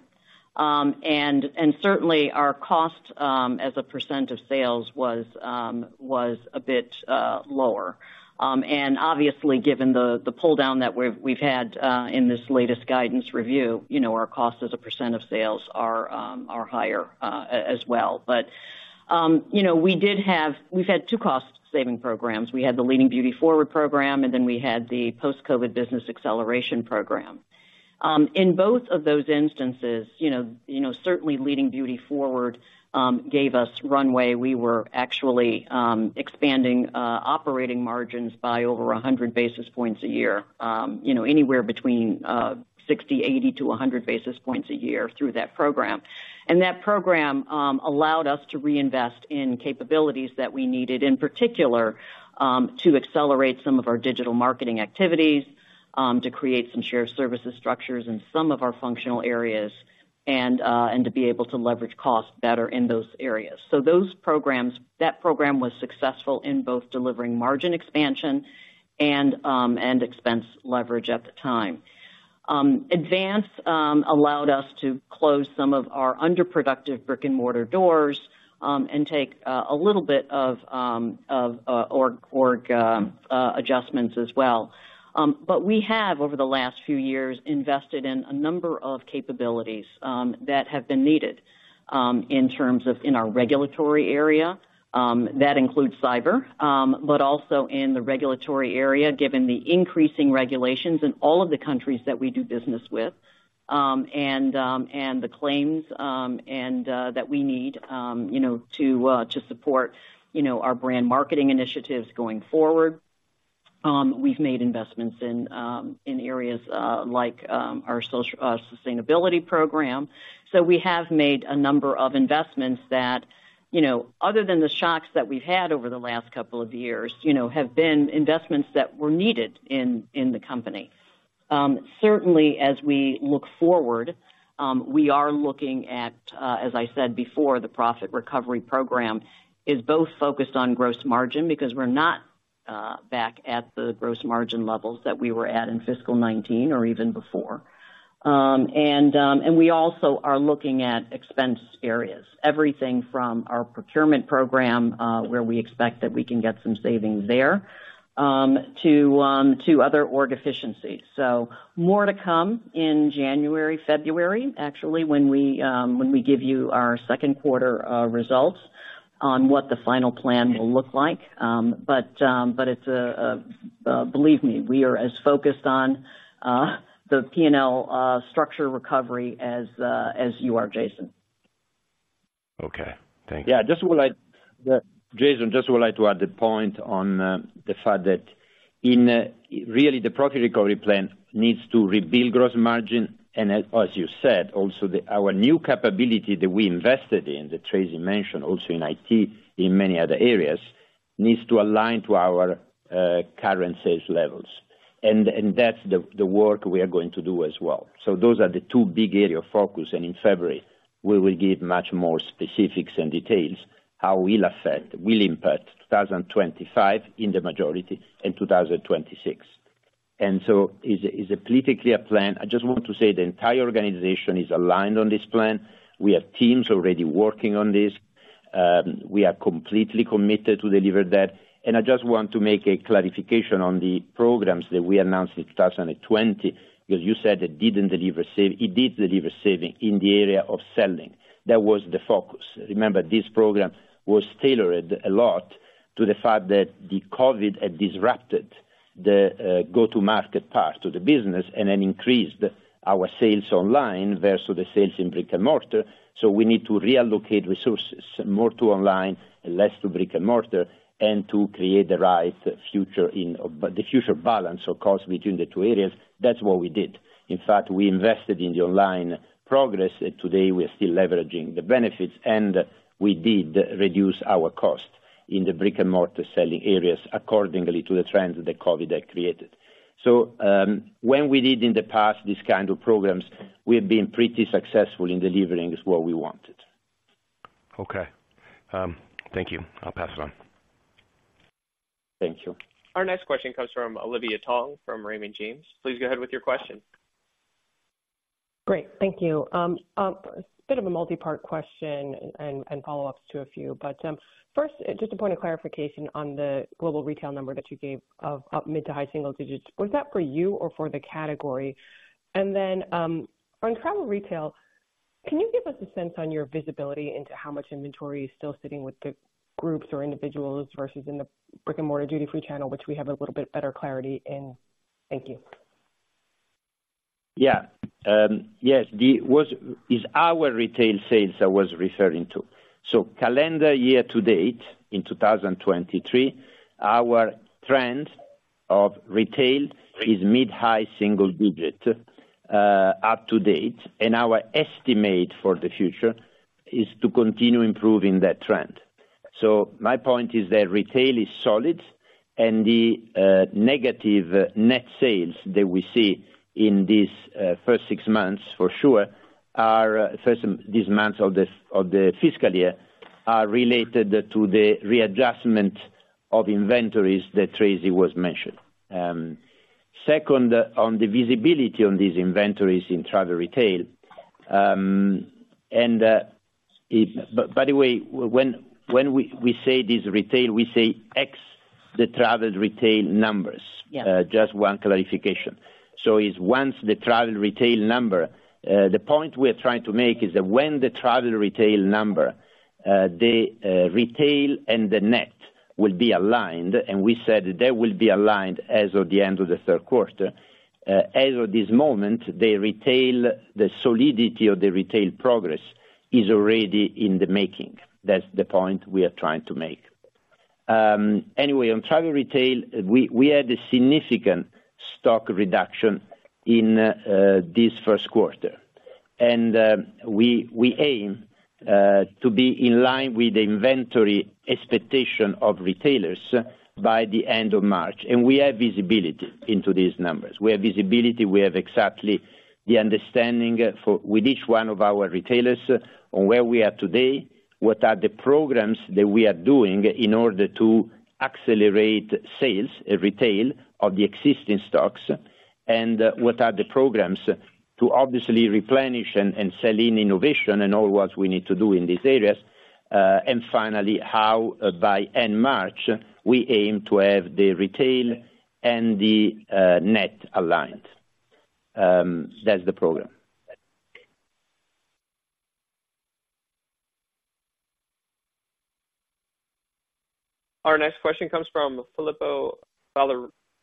And certainly our cost as a percent of sales was a bit lower. And obviously, given the pull down that we've had in this latest guidance review, you know, our cost as a percent of sales are higher as well. But you know, we did have—we've had two cost saving programs. We had the Leading Beauty Forward program, and then we had the Post-COVID Business Acceleration Program. In both of those instances, you know, certainly Leading Beauty Forward gave us runway. We were actually expanding operating margins by over 100 basis points a year, you know, anywhere between 60-80 to 100 basis points a year through that program. And that program allowed us to reinvest in capabilities that we needed, in particular, to accelerate some of our digital marketing activities, to create some shared services structures in some of our functional areas, and to be able to leverage costs better in those areas. So those programs - that program was successful in both delivering margin expansion and expense leverage at the time. Advance allowed us to close some of our underproductive brick-and-mortar doors and take a little bit of organizational adjustments as well. But we have, over the last few years, invested in a number of capabilities that have been needed in terms of our regulatory area that includes cyber, but also in the regulatory area, given the increasing regulations in all of the countries that we do business with, and the claims that we need, you know, to support, you know, our brand marketing initiatives going forward. We've made investments in areas like our social sustainability program. So we have made a number of investments that, you know, other than the shocks that we've had over the last couple of years, you know, have been investments that were needed in the company. Certainly as we look forward, we are looking at, as I said before, the Profit Recovery Plan is both focused on gross margin, because we're not back at the gross margin levels that we were at in fiscal 2019 or even before. And we also are looking at expense areas, everything from our procurement program, where we expect that we can get some savings there, to other org efficiencies. So more to come in January, February, actually, when we give you our second quarter results on what the final plan will look like. But it's, believe me, we are as focused on the P&L structure recovery as you are, Jason. Okay, thank you. Yeah, just would like, Jason, just would like to add a point on, really, the fact that in, really, the Profit Recovery Plan needs to rebuild gross margin, and as, as you said, also the, our new capability that we invested in, that Tracey mentioned, also in IT, in many other areas, needs to align to our, current sales levels. And, and that's the work we are going to do as well. So those are the two big area of focus, and in February, we will give much more specifics and details, how we'll affect, we'll impact 2025 in the majority, and 2026. And so it's a completely clear plan. I just want to say the entire organization is aligned on this plan. We have teams already working on this. We are completely committed to deliver that, and I just want to make a clarification on the programs that we announced in 2020, because you said it didn't deliver savings. It did deliver savings in the area of selling. That was the focus. Remember, this program was tailored a lot to the fact that the COVID had disrupted the go-to-market part of the business and then increased our sales online versus the sales in brick-and-mortar. So we need to reallocate resources more to online and less to brick-and-mortar, and to create the right future in the future balance, of course, between the two areas. That's what we did. In fact, we invested in the online progress. Today, we are still leveraging the benefits, and we did reduce our cost in the brick-and-mortar selling areas accordingly to the trends that COVID had created. When we did in the past, these kind of programs, we've been pretty successful in delivering just what we wanted. Okay. Thank you. I'll pass it on. Thank you. Our next question comes from Olivia Tong, from Raymond James. Please go ahead with your question. Great. Thank you. Bit of a multi-part question and follow-ups to a few. First, just a point of clarification on the global retail number that you gave of up mid to high single digits. Was that for you or for the category? And then, on travel retail, can you give us a sense on your visibility into how much inventory is still sitting with the groups or individuals versus in the brick-and-mortar duty-free channel, which we have a little bit better clarity in? Thank you. Yeah. Yes, it's our retail sales I was referring to. So calendar year to date, in 2023, our trend of retail is mid-high single digit up to date, and our estimate for the future is to continue improving that trend. So my point is that retail is solid, and the negative net sales that we see in this first six months for sure are, first, these months of the fiscal year, are related to the readjustment of inventories that Tracey mentioned. Second, on the visibility on these inventories in travel retail, and by the way, when we say this retail, we say ex-travel retail numbers. Yeah. Just one clarification. So is once the travel retail number, the point we are trying to make is that when the travel retail number, the retail and the net will be aligned, and we said they will be aligned as of the end of the third quarter. As of this moment, the retail, the solidity of the retail progress is already in the making. That's the point we are trying to make. Anyway, on travel retail, we had a significant stock reduction in this first quarter. We aim to be in line with the inventory expectation of retailers by the end of March, and we have visibility into these numbers. We have visibility, we have exactly the understanding for, with each one of our retailers on where we are today, what are the programs that we are doing in order to accelerate sales and retail of the existing stocks, and, what are the programs to obviously replenish and, and sell in innovation and all what we need to do in these areas. And finally, how, by end March, we aim to have the retail and the, net aligned. That's the program. Our next question comes from Filippo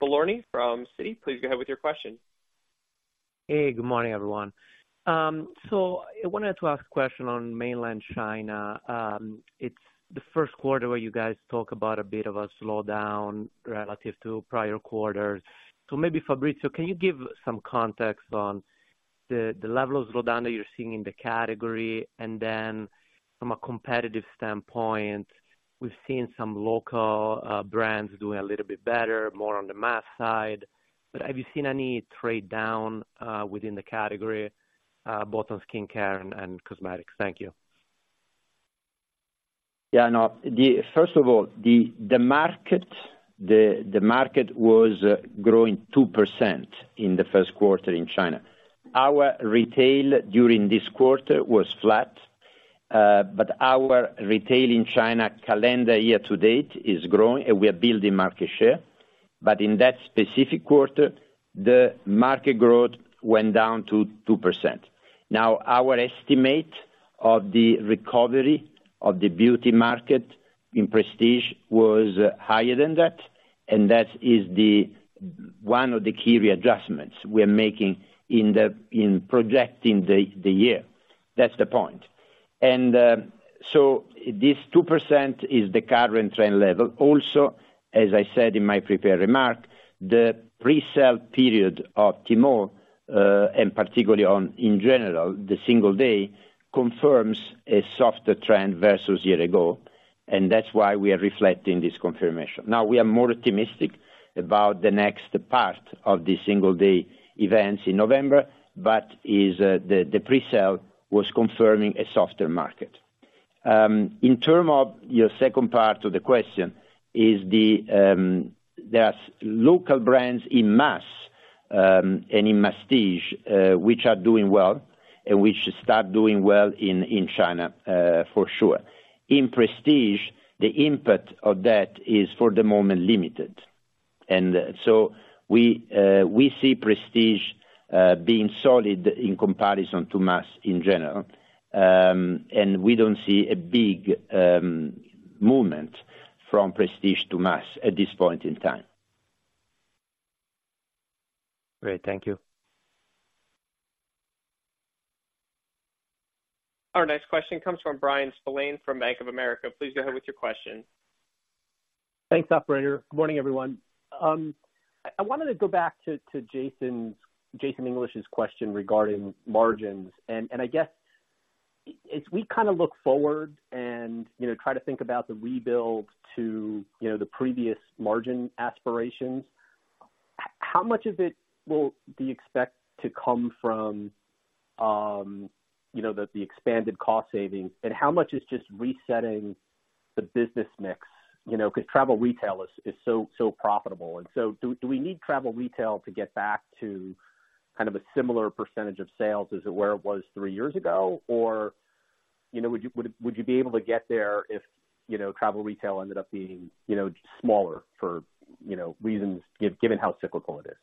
Falorni from Citi. Please go ahead with your question. Hey, good morning, everyone. So I wanted to ask a question on Mainland China. It's the first quarter where you guys talk about a bit of a slowdown relative to prior quarters. So maybe Fabrizio, can you give some context on the level of slowdown that you're seeing in the category? And then from a competitive standpoint, we've seen some local brands doing a little bit better, more on the mass side, but have you seen any trade down within the category both on Skin Care and cosmetics? Thank you. Yeah, no. First of all, the market was growing 2% in the first quarter in China. Our retail during this quarter was flat, but our retail in China, calendar year to date, is growing, and we are building market share. But in that specific quarter, the market growth went down to 2%. Now, our estimate of the recovery of the beauty market in prestige was higher than that, and that is one of the key readjustments we're making in projecting the year. That's the point. And so this 2% is the current trend level. Also, as I said in my prepared remark, the pre-sale period of Tmall and particularly on, in general, the Singles' Day, confirms a softer trend versus year ago, and that's why we are reflecting this confirmation. Now, we are more optimistic about the next part of the Singles' Day events in November, but the pre-sale was confirming a softer market. In terms of your second part of the question, there's local brands in mass and in masstige which are doing well and which start doing well in China, for sure. In prestige beauty, the input of that is, for the moment, limited. And so we see prestige beauty being solid in comparison to mass in general. And we don't see a big movement from prestige to mass at this point in time. Great, thank you. Our next question comes from Bryan Spillane from Bank of America. Please go ahead with your question. Thanks, operator. Good morning, everyone. I wanted to go back to Jason English's question regarding margins. And I guess as we kind of look forward and, you know, try to think about the rebuild to, you know, the previous margin aspirations, how much of it will do you expect to come from, you know, the expanded cost savings, and how much is just resetting the business mix? You know, because travel retail is so profitable, and so do we need travel retail to get back to kind of a similar percentage of sales as where it was three years ago? Or, you know, would you be able to get there if, you know, travel retail ended up being, you know, smaller for, you know, reasons, given how cyclical it is?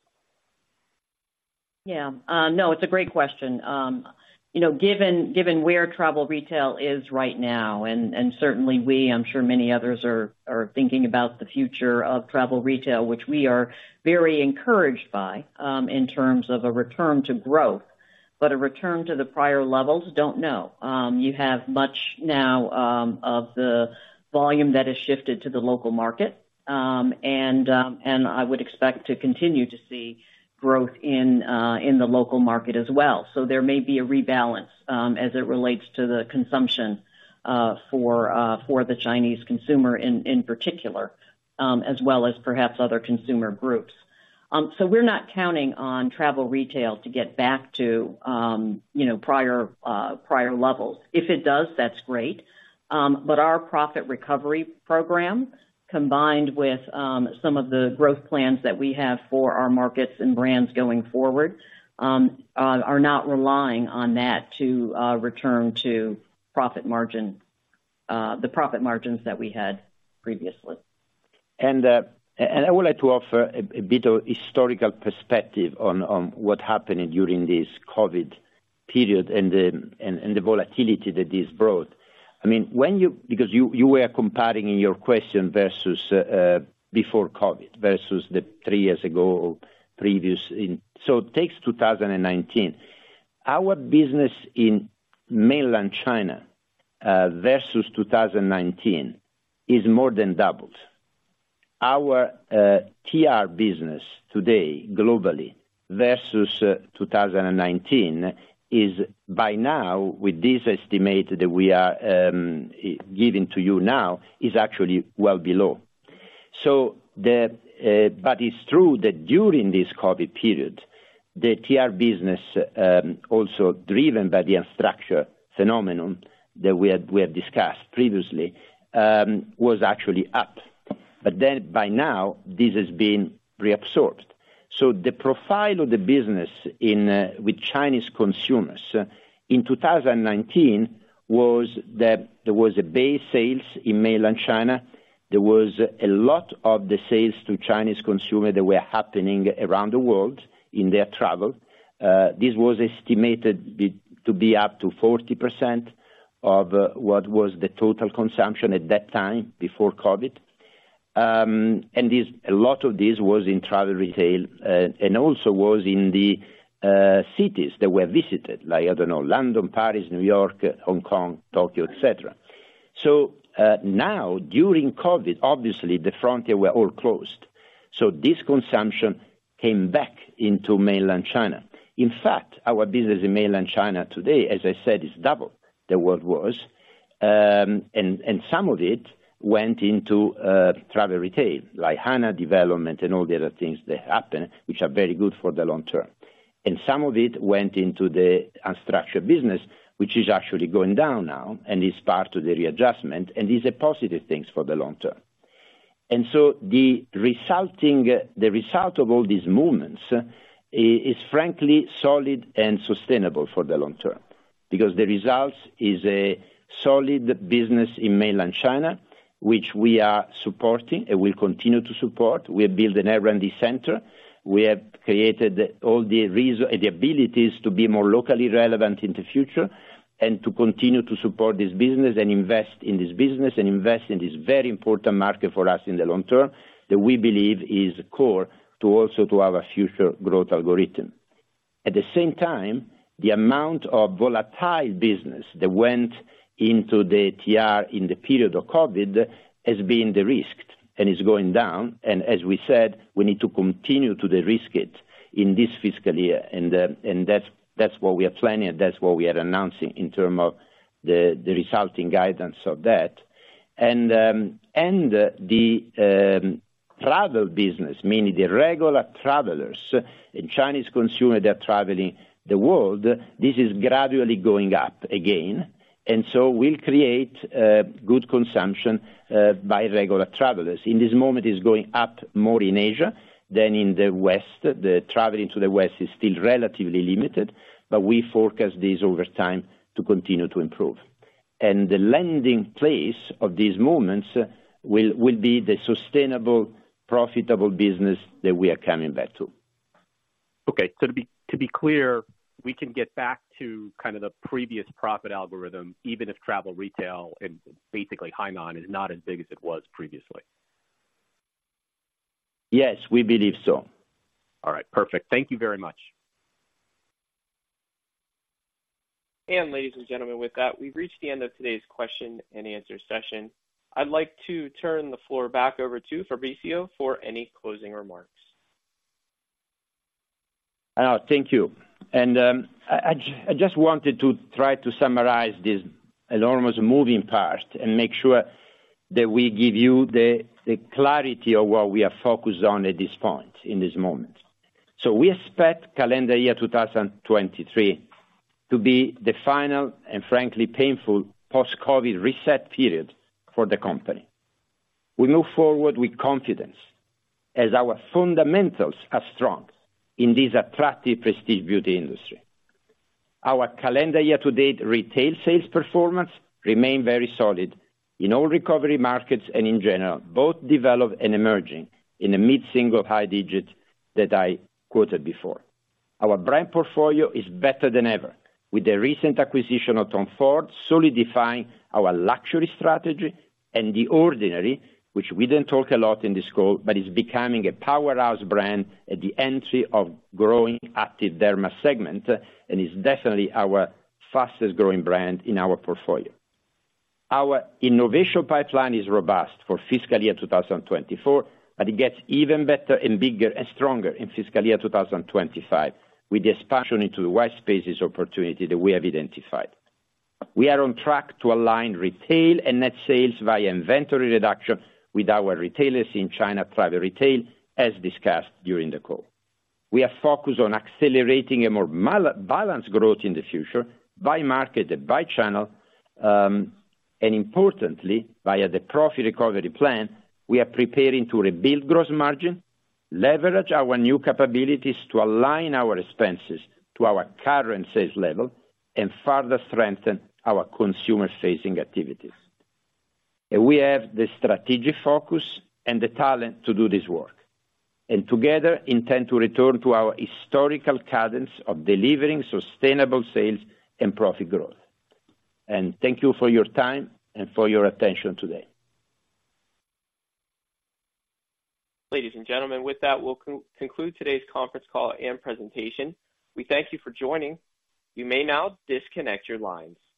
Yeah. No, it's a great question. You know, given where travel retail is right now, and certainly we, I'm sure many others are thinking about the future of travel retail, which we are very encouraged by, in terms of a return to growth. But a return to the prior levels? Don't know. You have much now of the volume that has shifted to the local market, and I would expect to continue to see growth in the local market as well. So there may be a rebalance as it relates to the consumption for the Chinese consumer in particular, as well as perhaps other consumer groups. So we're not counting on travel retail to get back to, you know, prior, prior levels. If it does, that's great. But our Profit Recovery Plan, combined with some of the growth plans that we have for our markets and brands going forward, are not relying on that to return to profit margin, the profit margins that we had previously. And I would like to offer a bit of historical perspective on what happened during this COVID period and the volatility that this brought. I mean, when you were comparing in your question versus before COVID, versus three years ago, previous in. So take 2019. Our business in Mainland China versus 2019 is more than doubled. Our TR business today, globally, versus 2019, is by now, with this estimate that we are giving to you now, actually well below. So but it's true that during this COVID period, the TR business also driven by the unstructured phenomenon that we have discussed previously was actually up, but then by now, this has been reabsorbed. So the profile of the business in with Chinese consumers in 2019 was that there was a base sales in Mainland China. There was a lot of the sales to Chinese consumers that were happening around the world in their travel. This was estimated to be up to 40% of what was the total consumption at that time, before COVID. And this, a lot of this was in travel retail and also was in the cities that were visited, like, I don't know, London, Paris, New York, Hong Kong, Tokyo, et cetera. So now, during COVID, obviously, the frontier were all closed, so this consumption came back into Mainland China. In fact, our business in Mainland China today, as I said, is double than what it was, and, and some of it went into, travel retail, like Hainan development and all the other things that happened, which are very good for the long term. And some of it went into the unstructured business, which is actually going down now, and is part of the readjustment, and these are positive things for the long term. And so the resulting, the result of all these movements, is frankly solid and sustainable for the long term, because the results is a solid business in Mainland China, which we are supporting and will continue to support. We have built an R&D center. We have created all the resources, the abilities to be more locally relevant in the future, and to continue to support this business and invest in this business, and invest in this very important market for us in the long term, that we believe is core to also to our future growth algorithm. At the same time, the amount of volatile business that went into the TR in the period of COVID has been de-risked and is going down, and as we said, we need to continue to de-risk it in this fiscal year, and that's what we are planning, and that's what we are announcing in terms of the resulting guidance of that. And the travel business, meaning the regular travelers and Chinese consumers that are traveling the world, this is gradually going up again. And so we'll create good consumption by regular travelers. In this moment, it's going up more in Asia than in the West. The travel into the West is still relatively limited, but we forecast this over time to continue to improve. And the landing place of these moments will be the sustainable, profitable business that we are coming back to. Okay. So to be clear, we can get back to kind of the previous profit algorithm, even if travel retail and basically Hainan is not as big as it was previously? Yes, we believe so. All right, perfect. Thank you very much. Ladies and gentlemen, with that, we've reached the end of today's question and answer session. I'd like to turn the floor back over to Fabrizio for any closing remarks. Thank you. I just wanted to try to summarize this enormous moving part, and make sure that we give you the clarity of what we are focused on at this point, in this moment. So we expect calendar year 2023 to be the final, and frankly, painful post-COVID reset period for the company. We move forward with confidence as our fundamentals are strong in this attractive prestige beauty industry. Our calendar year to date retail sales performance remain very solid in all recovery markets, and in general, both developed and emerging, in the mid-single high digits that I quoted before. Our brand portfolio is better than ever, with the recent acquisition of Tom Ford solidifying our luxury strategy, and The Ordinary, which we didn't talk a lot in this call, but is becoming a powerhouse brand at the entry of growing active derma segment, and is definitely our fastest growing brand in our portfolio. Our innovation pipeline is robust for fiscal year 2024, but it gets even better and bigger and stronger in fiscal year 2025, with the expansion into the white spaces opportunity that we have identified. We are on track to align retail and net sales via inventory reduction with our retailers in China Travel Retail, as discussed during the call. We are focused on accelerating a more balanced growth in the future by market and by channel, and importantly, via the Profit Recovery Plan, we are preparing to rebuild gross margin, leverage our new capabilities to align our expenses to our current sales level, and further strengthen our consumer-facing activities. And we have the strategic focus and the talent to do this work, and together, intend to return to our historical cadence of delivering sustainable sales and profit growth. And thank you for your time and for your attention today. Ladies and gentlemen, with that, we'll conclude today's conference call and presentation. We thank you for joining. You may now disconnect your lines.